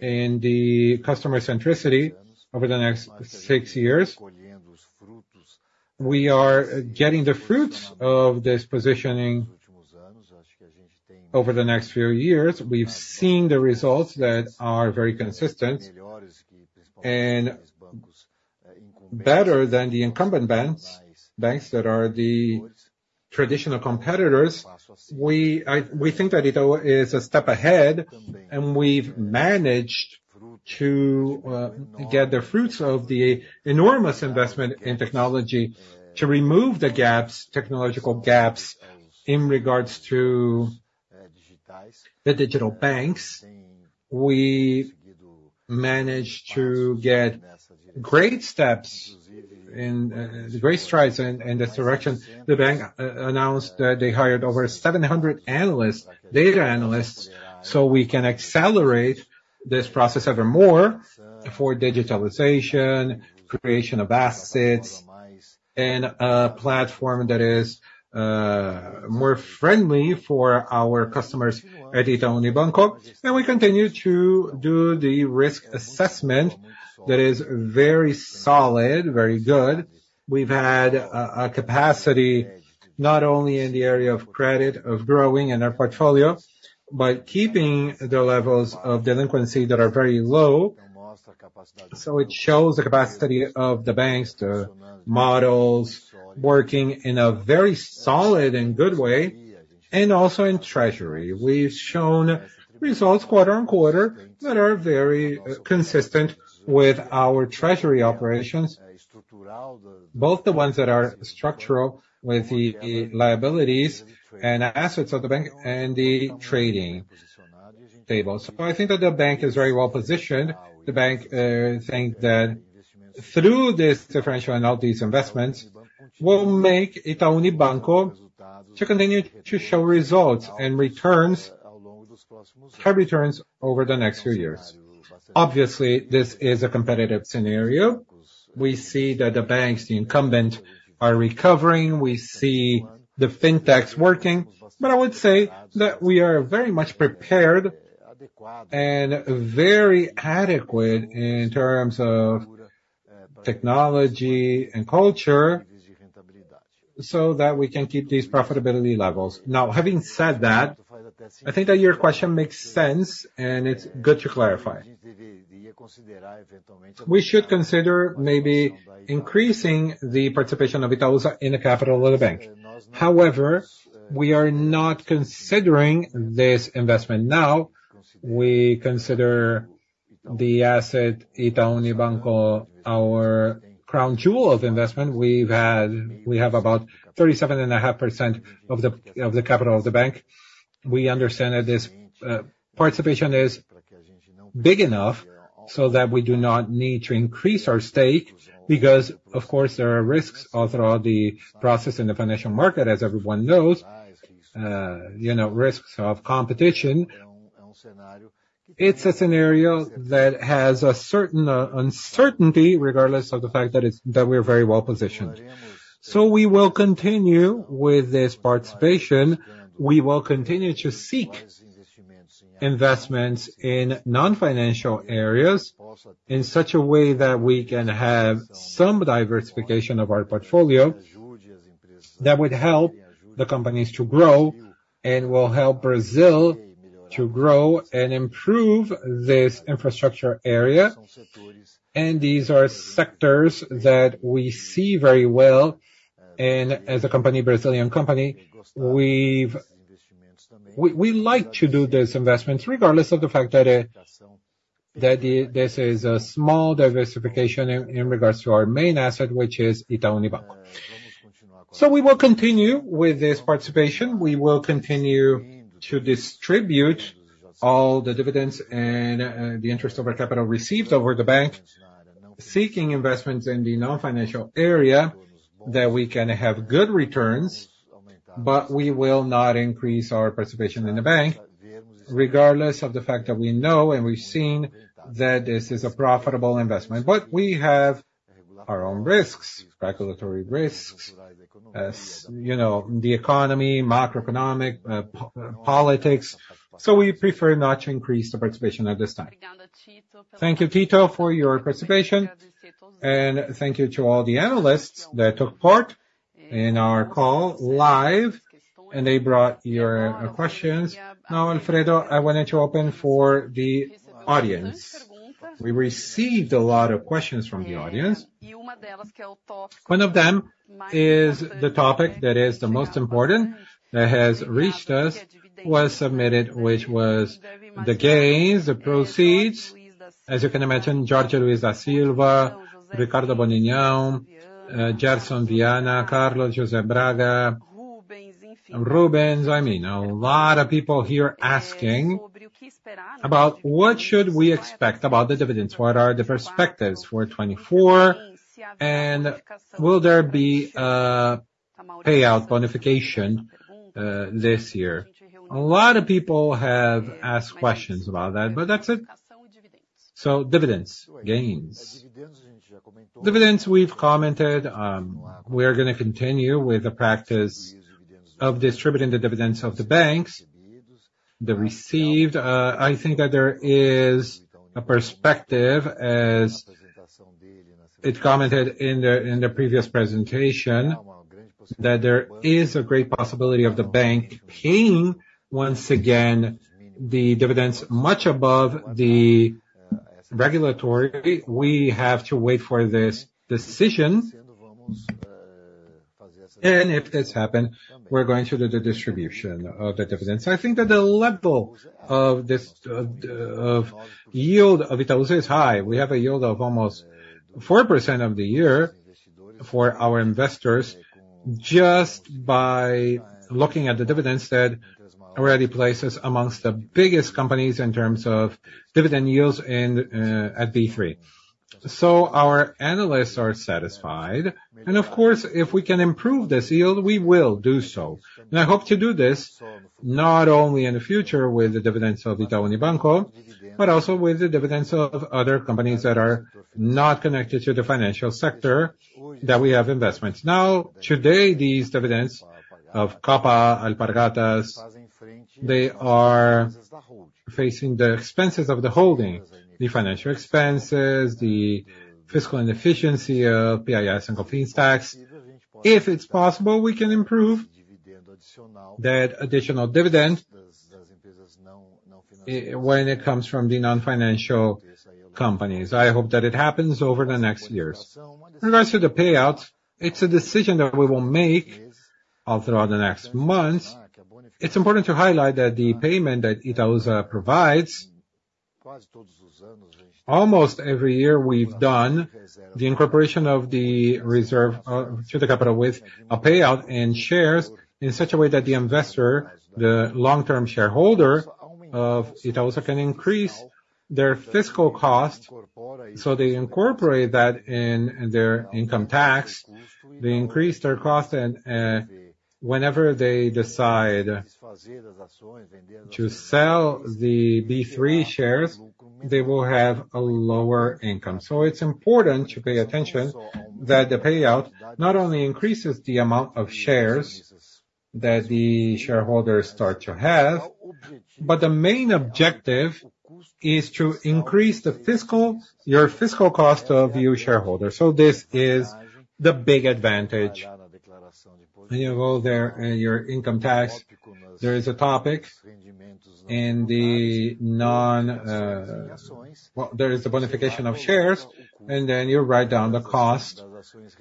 in the customer centricity over the next six years. We are getting the fruits of this positioning over the next few years. We've seen the results that are very consistent and better than the incumbent banks, banks that are the traditional competitors. We, I, we think that Itaú is a step ahead, and we've managed to get the fruits of the enormous investment in technology to remove the gaps, technological gaps, in regards to the digital banks. We managed to get great steps and great strides in this direction. The bank announced that they hired over 700 analysts, data analysts, so we can accelerate this process even more for digitalization, creation of assets, and a platform that is more friendly for our customers at Itaú Unibanco. And we continue to do the risk assessment that is very solid, very good. We've had a capacity, not only in the area of credit, of growing in our portfolio, but keeping the levels of delinquency that are very low. So it shows the capacity of the banks, the models working in a very solid and good way, and also in treasury. We've shown results quarter on quarter that are very consistent with our treasury operations, both the ones that are structural, with the liabilities and assets of the bank and the trading table. So I think that the bank is very well positioned. The bank think that through this differentiation of these investments, will make Itaú Unibanco to continue to show results and returns, high returns over the next few years. Obviously, this is a competitive scenario. We see that the banks, the incumbent, are recovering. We see the fintechs working. But I would say that we are very much prepared and very adequate in terms of technology and culture, so that we can keep these profitability levels. Now, having said that, I think that your question makes sense, and it's good to clarify. We should consider maybe increasing the participation of Itaú in the capital of the bank. However, we are not considering this investment now. We consider the asset, Itaú Unibanco, our crown jewel of investment. We have about 37.5% of the capital of the bank. We understand that this participation is big enough so that we do not need to increase our stake, because, of course, there are risks all throughout the process in the financial market, as everyone knows, you know, risks of competition. It's a scenario that has a certain uncertainty, regardless of the fact that we're very well positioned. So we will continue with this participation. We will continue to seek investments in non-financial areas in such a way that we can have some diversification of our portfolio, that would help the companies to grow, and will help Brazil to grow and improve this infrastructure area. These are sectors that we see very well, and as a company, Brazilian company, we like to do these investments, regardless of the fact that this is a small diversification in regards to our main asset, which is Itaú Unibanco. So we will continue with this participation. We will continue to distribute all the dividends and the interest of our capital received over the bank, seeking investments in the non-financial area that we can have good returns, but we will not increase our participation in the bank, regardless of the fact that we know and we've seen that this is a profitable investment. But we have our own risks, regulatory risks, as you know, the economy, macroeconomic, politics, so we prefer not to increase the participation at this time. Thank you, Tito, for your participation, and thank you to all the analysts that took part in our call live, and they brought your questions. Now, Alfredo, I wanted to open for the audience. We received a lot of questions from the audience. One of them is the topic that is the most important, that has reached us, was submitted, which was the gains, the proceeds. As you can imagine, George Luis da Silva, Ricardo Bonini, Gerson Viana, Carlos José Braga, Rubens. I mean, a lot of people here asking about what should we expect about the dividends, what are the perspectives for 2024, and will there be a payout bonification, this year? A lot of people have asked questions about that, but that's it. So dividends, gains. Dividends, we've commented, we're gonna continue with the practice of distributing the dividends of the banks. The received, I think that there is a perspective, as it commented in the, in the previous presentation, that there is a great possibility of the bank paying, once again, the dividends much above the regulatory. We have to wait for this decision, and if this happen, we're going to do the distribution of the dividends. I think that the level of this of yield of Itaú is high. We have a yield of almost 4% of the year for our investors, just by looking at the dividends that already places amongst the biggest companies in terms of dividend yields in at B3. So our analysts are satisfied, and of course, if we can improve this yield, we will do so. And I hope to do this not only in the future with the dividends of Itaú Unibanco, but also with the dividends of other companies that are not connected to the financial sector, that we have investments. Now, today, these dividends of Copa, Alpargatas, they are facing the expenses of the holding, the financial expenses, the fiscal inefficiency of PIS and COFINS tax. If it's possible, we can improve that additional dividend, when it comes from the non-financial companies. I hope that it happens over the next years. In regards to the payouts, it's a decision that we will make all throughout the next months. It's important to highlight that the payment that Itaúsa provides, almost every year we've done the incorporation of the reserve, to the capital with a payout in shares, in such a way that the investor, the long-term shareholder of Itaúsa, can increase their fiscal cost, so they incorporate that in their income tax. They increase their cost and, whenever they decide to sell the B3 shares, they will have a lower income. So it's important to pay attention that the payout not only increases the amount of shares that the shareholders start to have, but the main objective is to increase the fiscal, your fiscal cost of you shareholders. So this is the big advantage. When you go there in your income tax, there is a topic in the non. Well, there is a bonification of shares, and then you write down the cost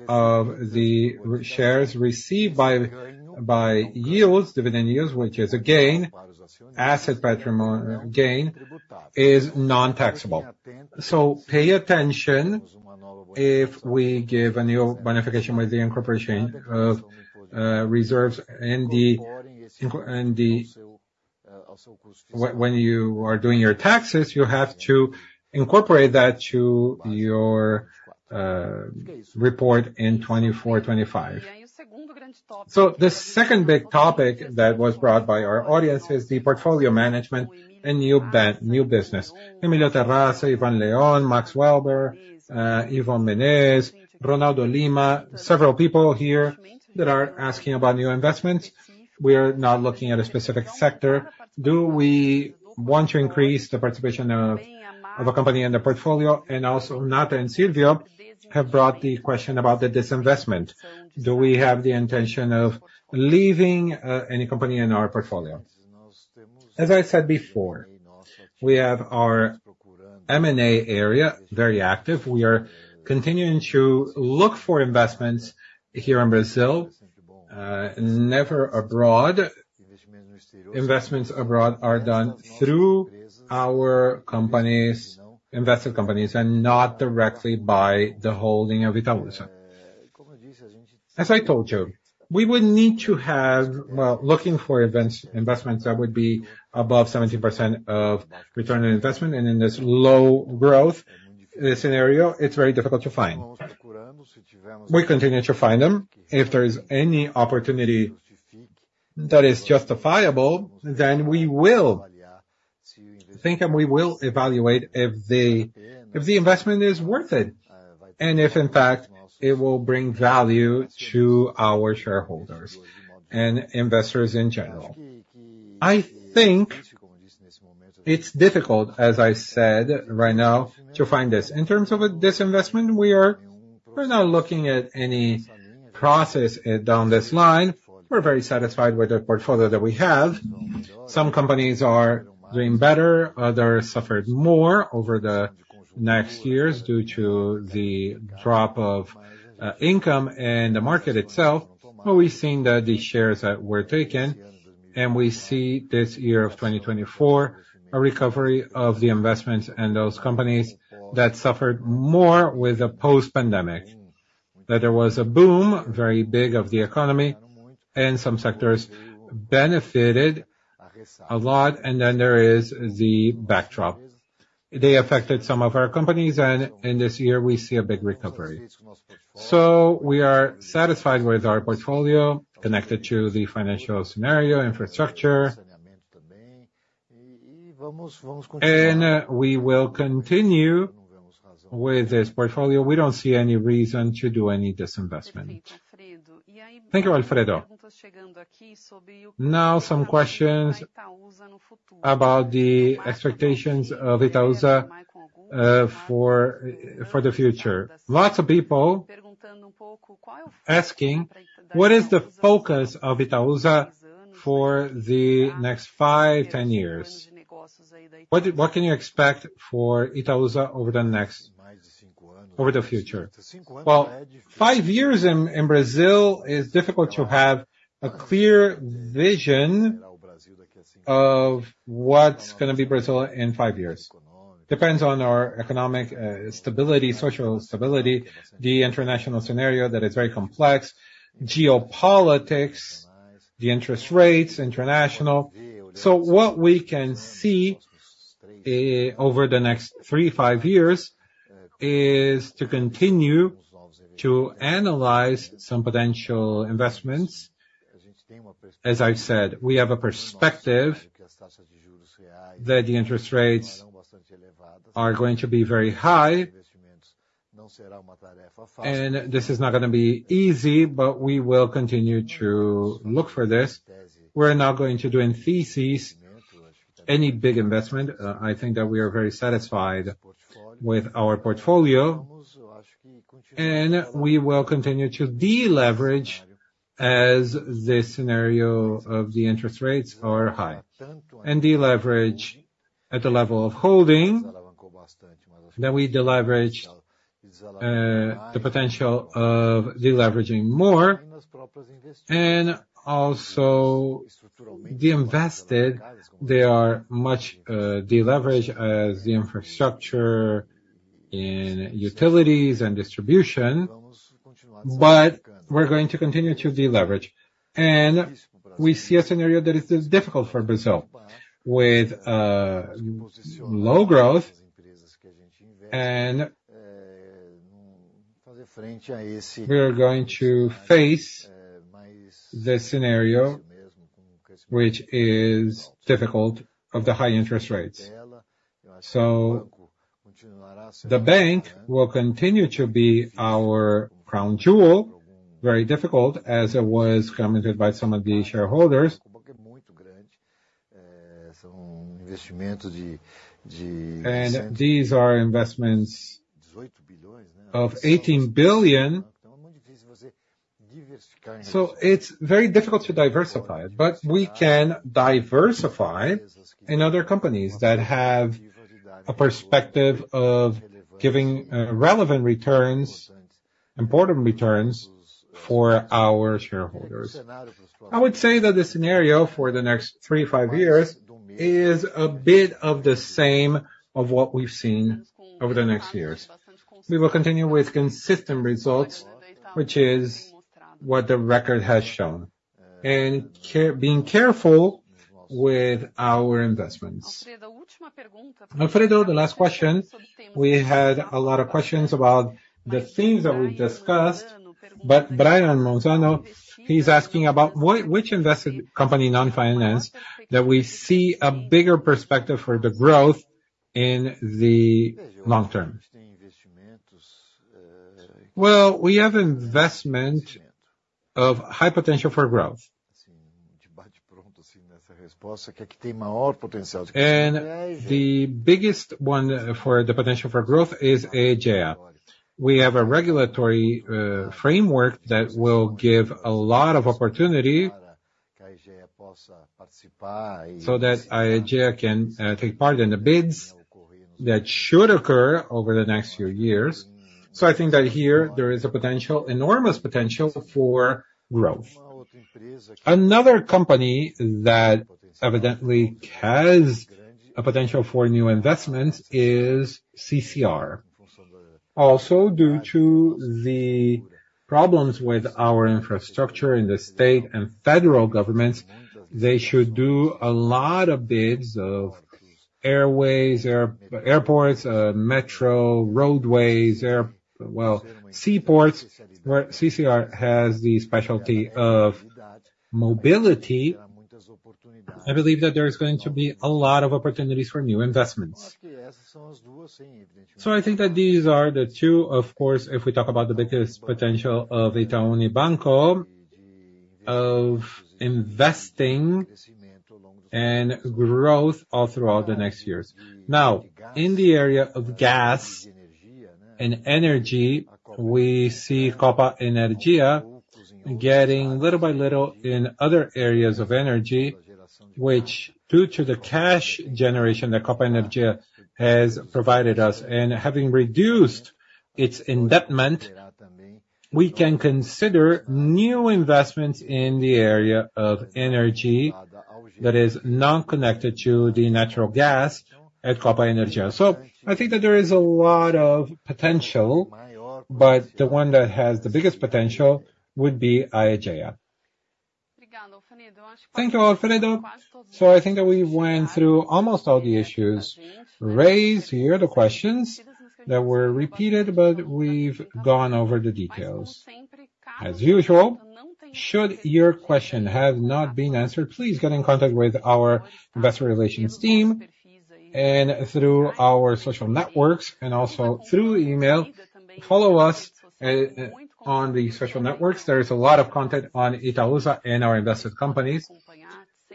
of the shares received by yields, dividend yields, which is a gain, asset patrimonial gain, is non-taxable. So pay attention if we give a new bonification with the incorporation of reserves and when you are doing your taxes, you have to incorporate that to your report in 2024, 2025. So the second big topic that was brought by our audience is the portfolio management and new business. Emilio Terraza, Ivan Leon, Max Weber, Yvonne Menezes, Ronaldo Lima, several people here that are asking about new investments. We are not looking at a specific sector. Do we want to increase the participation of a company in the portfolio? And also, Natan and Silvio have brought the question about the disinvestment. Do we have the intention of leaving any company in our portfolio? As I said before, we have our M&A area, very active. We are continuing to look for investments here in Brazil, never abroad. Investments abroad are done through our companies, invested companies, and not directly by the holding of Itaúsa. As I told you, we would need to have, well, looking for investments that would be above 17% of return on investment, and in this low growth scenario, it's very difficult to find. We continue to find them. If there is any opportunity that is justifiable, then we will think, and we will evaluate if the, if the investment is worth it, and if in fact, it will bring value to our shareholders and investors in general. I think it's difficult, as I said, right now, to find this. In terms of a disinvestment, we are, we're not looking at any process down this line. We're very satisfied with the portfolio that we have. Some companies are doing better, others suffered more over the next years due to the drop of income and the market itself, but we've seen that the shares that were taken, and we see this year of 2024, a recovery of the investments and those companies that suffered more with the post-pandemic. That there was a boom, very big of the economy, and some sectors benefited a lot, and then there is the backdrop. They affected some of our companies, and in this year we see a big recovery. So we are satisfied with our portfolio connected to the financial scenario, infrastructure. And we will continue with this portfolio. We don't see any reason to do any disinvestment. Thank you, Alfredo. Now, some questions about the expectations of Itaúsa for the future. Lots of people asking: What is the focus of Itaúsa for the next 5-10 years? What can you expect for Itaúsa over the future? Well, five years in Brazil is difficult to have a clear vision of what's gonna be Brazil in five years. Depends on our economic stability, social stability, the international scenario that is very complex, geopolitics, the interest rates, international. So what we can see over the next three-five years is to continue to analyze some potential investments. As I've said, we have a perspective that the interest rates are going to be very high, and this is not gonna be easy, but we will continue to look for this. We're not going to do in this any big investment. I think that we are very satisfied with our portfolio, and we will continue to deleverage as the scenario of the interest rates are high. And deleverage at the level of holding, that we deleverage, the potential of deleveraging more and also the invested, they are much, deleverage as the infrastructure in utilities and distribution, but we're going to continue to deleverage. And we see a scenario that is, is difficult for Brazil, with, low growth, and we are going to face the scenario, which is difficult of the high interest rates. So the bank will continue to be our crown jewel, very difficult, as it was commented by some of the shareholders. And these are investments of BRL 18 billion, so it's very difficult to diversify it, but we can diversify in other companies that have a perspective of giving, relevant returns, important returns-... for our shareholders. I would say that the scenario for the next three to five years is a bit of the same of what we've seen over the next years. We will continue with consistent results, which is what the record has shown, and being careful with our investments. Alfredo, the last question. We had a lot of questions about the things that we've discussed, but Brian Lozano, he's asking about which invested company, non-finance, that we see a bigger perspective for the growth in the long term? Well, we have investment of high potential for growth. And the biggest one for the potential for growth is Aegea. We have a regulatory framework that will give a lot of opportunity, so that Aegea can take part in the bids that should occur over the next few years. So I think that here there is a potential, enormous potential for growth. Another company that evidently has a potential for new investments is CCR. Also, due to the problems with our infrastructure in the state and federal governments, they should do a lot of bids of railways, airports, metro, roadways, well, seaports, where CCR has the specialty of mobility. I believe that there is going to be a lot of opportunities for new investments. So I think that these are the two, of course, if we talk about the biggest potential of Itaú Unibanco, of investing and growth all throughout the next years. Now, in the area of gas and energy, we see Copa Energia getting little by little in other areas of energy, which due to the cash generation that Copa Energia has provided us, and having reduced its indebtedness, we can consider new investments in the area of energy that is not connected to the natural gas at Copa Energia. So I think that there is a lot of potential, but the one that has the biggest potential would be Aegea. Thank you, Alfredo. So I think that we went through almost all the issues raised here, the questions that were repeated, but we've gone over the details. As usual, should your question have not been answered, please get in contact with our investor relations team and through our social networks, and also through email. Follow us on the social networks. There is a lot of content on Itaúsa and our invested companies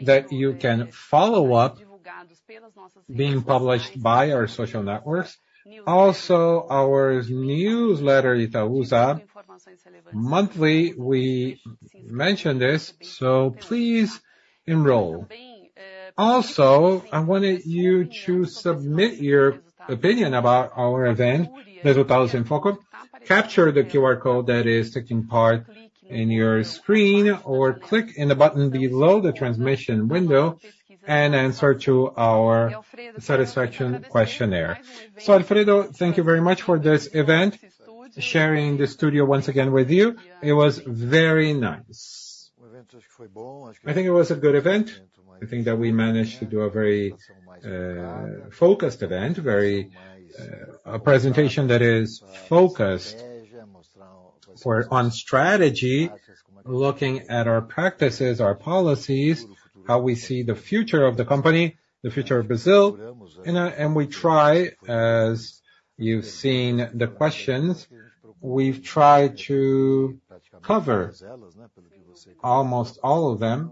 that you can follow up, being published by our social networks. Also, our newsletter, Itaúsa. Monthly, we mention this, so please enroll. Also, I wanted you to submit your opinion about our event, the Results in Focus. Capture the QR code that is taking part in your screen, or click in the button below the transmission window and answer to our satisfaction questionnaire. So, Alfredo, thank you very much for this event, sharing the studio once again with you. It was very nice. I think it was a good event. I think that we managed to do a very focused event, very a presentation that is focused on strategy, looking at our practices, our policies, how we see the future of the company, the future of Brazil. And we try, as you've seen the questions, we've tried to cover almost all of them.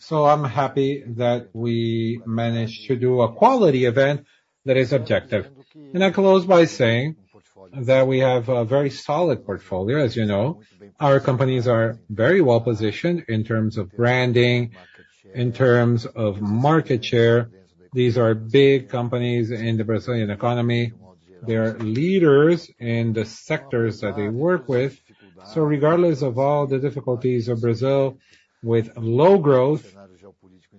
So I'm happy that we managed to do a quality event that is objective. And I close by saying that we have a very solid portfolio, as you know. Our companies are very well-positioned in terms of branding, in terms of market share. These are big companies in the Brazilian economy. They are leaders in the sectors that they work with. So regardless of all the difficulties of Brazil, with low growth,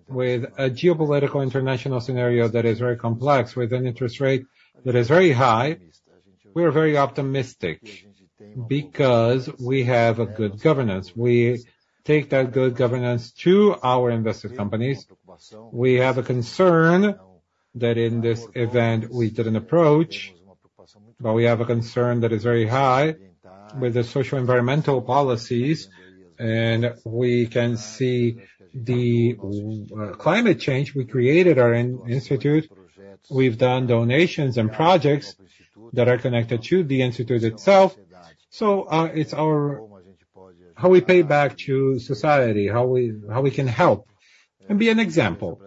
with a geopolitical international scenario that is very complex, with an interest rate that is very high, we are very optimistic because we have a good governance. We take that good governance to our invested companies. We have a concern that in this event we didn't approach, but we have a concern that is very high with the social environmental policies, and we can see the climate change. We created our institute. We've done donations and projects that are connected to the institute itself. So, it's our how we pay back to society, how we, how we can help and be an example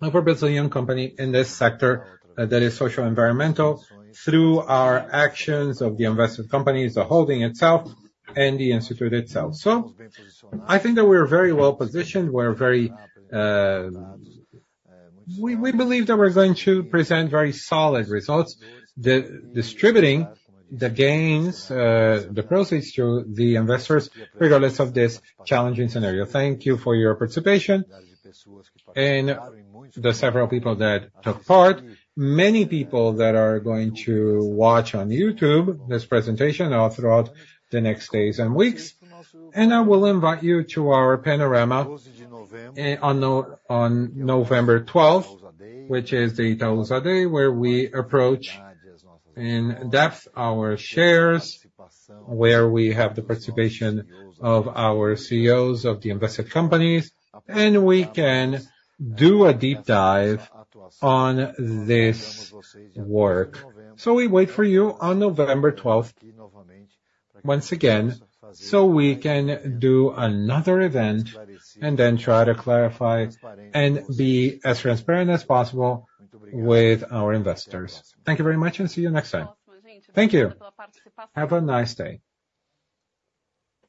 of a Brazilian company in this sector that is social, environmental, through our actions of the invested companies, the holding itself and the institute itself. So I think that we're very well-positioned. We're very. We, we believe that we're going to present very solid results, the distributing the gains, the proceeds to the investors, regardless of this challenging scenario. Thank you for your participation and the several people that took part, many people that are going to watch on YouTube this presentation all throughout the next days and weeks. I will invite you to our panorama on November twelfth, which is the Itaúsa Day, where we approach in depth our shares, where we have the participation of our CEOs of the invested companies, and we can do a deep dive on this work. We wait for you on November 12th, once again, so we can do another event and then try to clarify and be as transparent as possible with our investors. Thank you very much, and see you next time. Thank you. Have a nice day.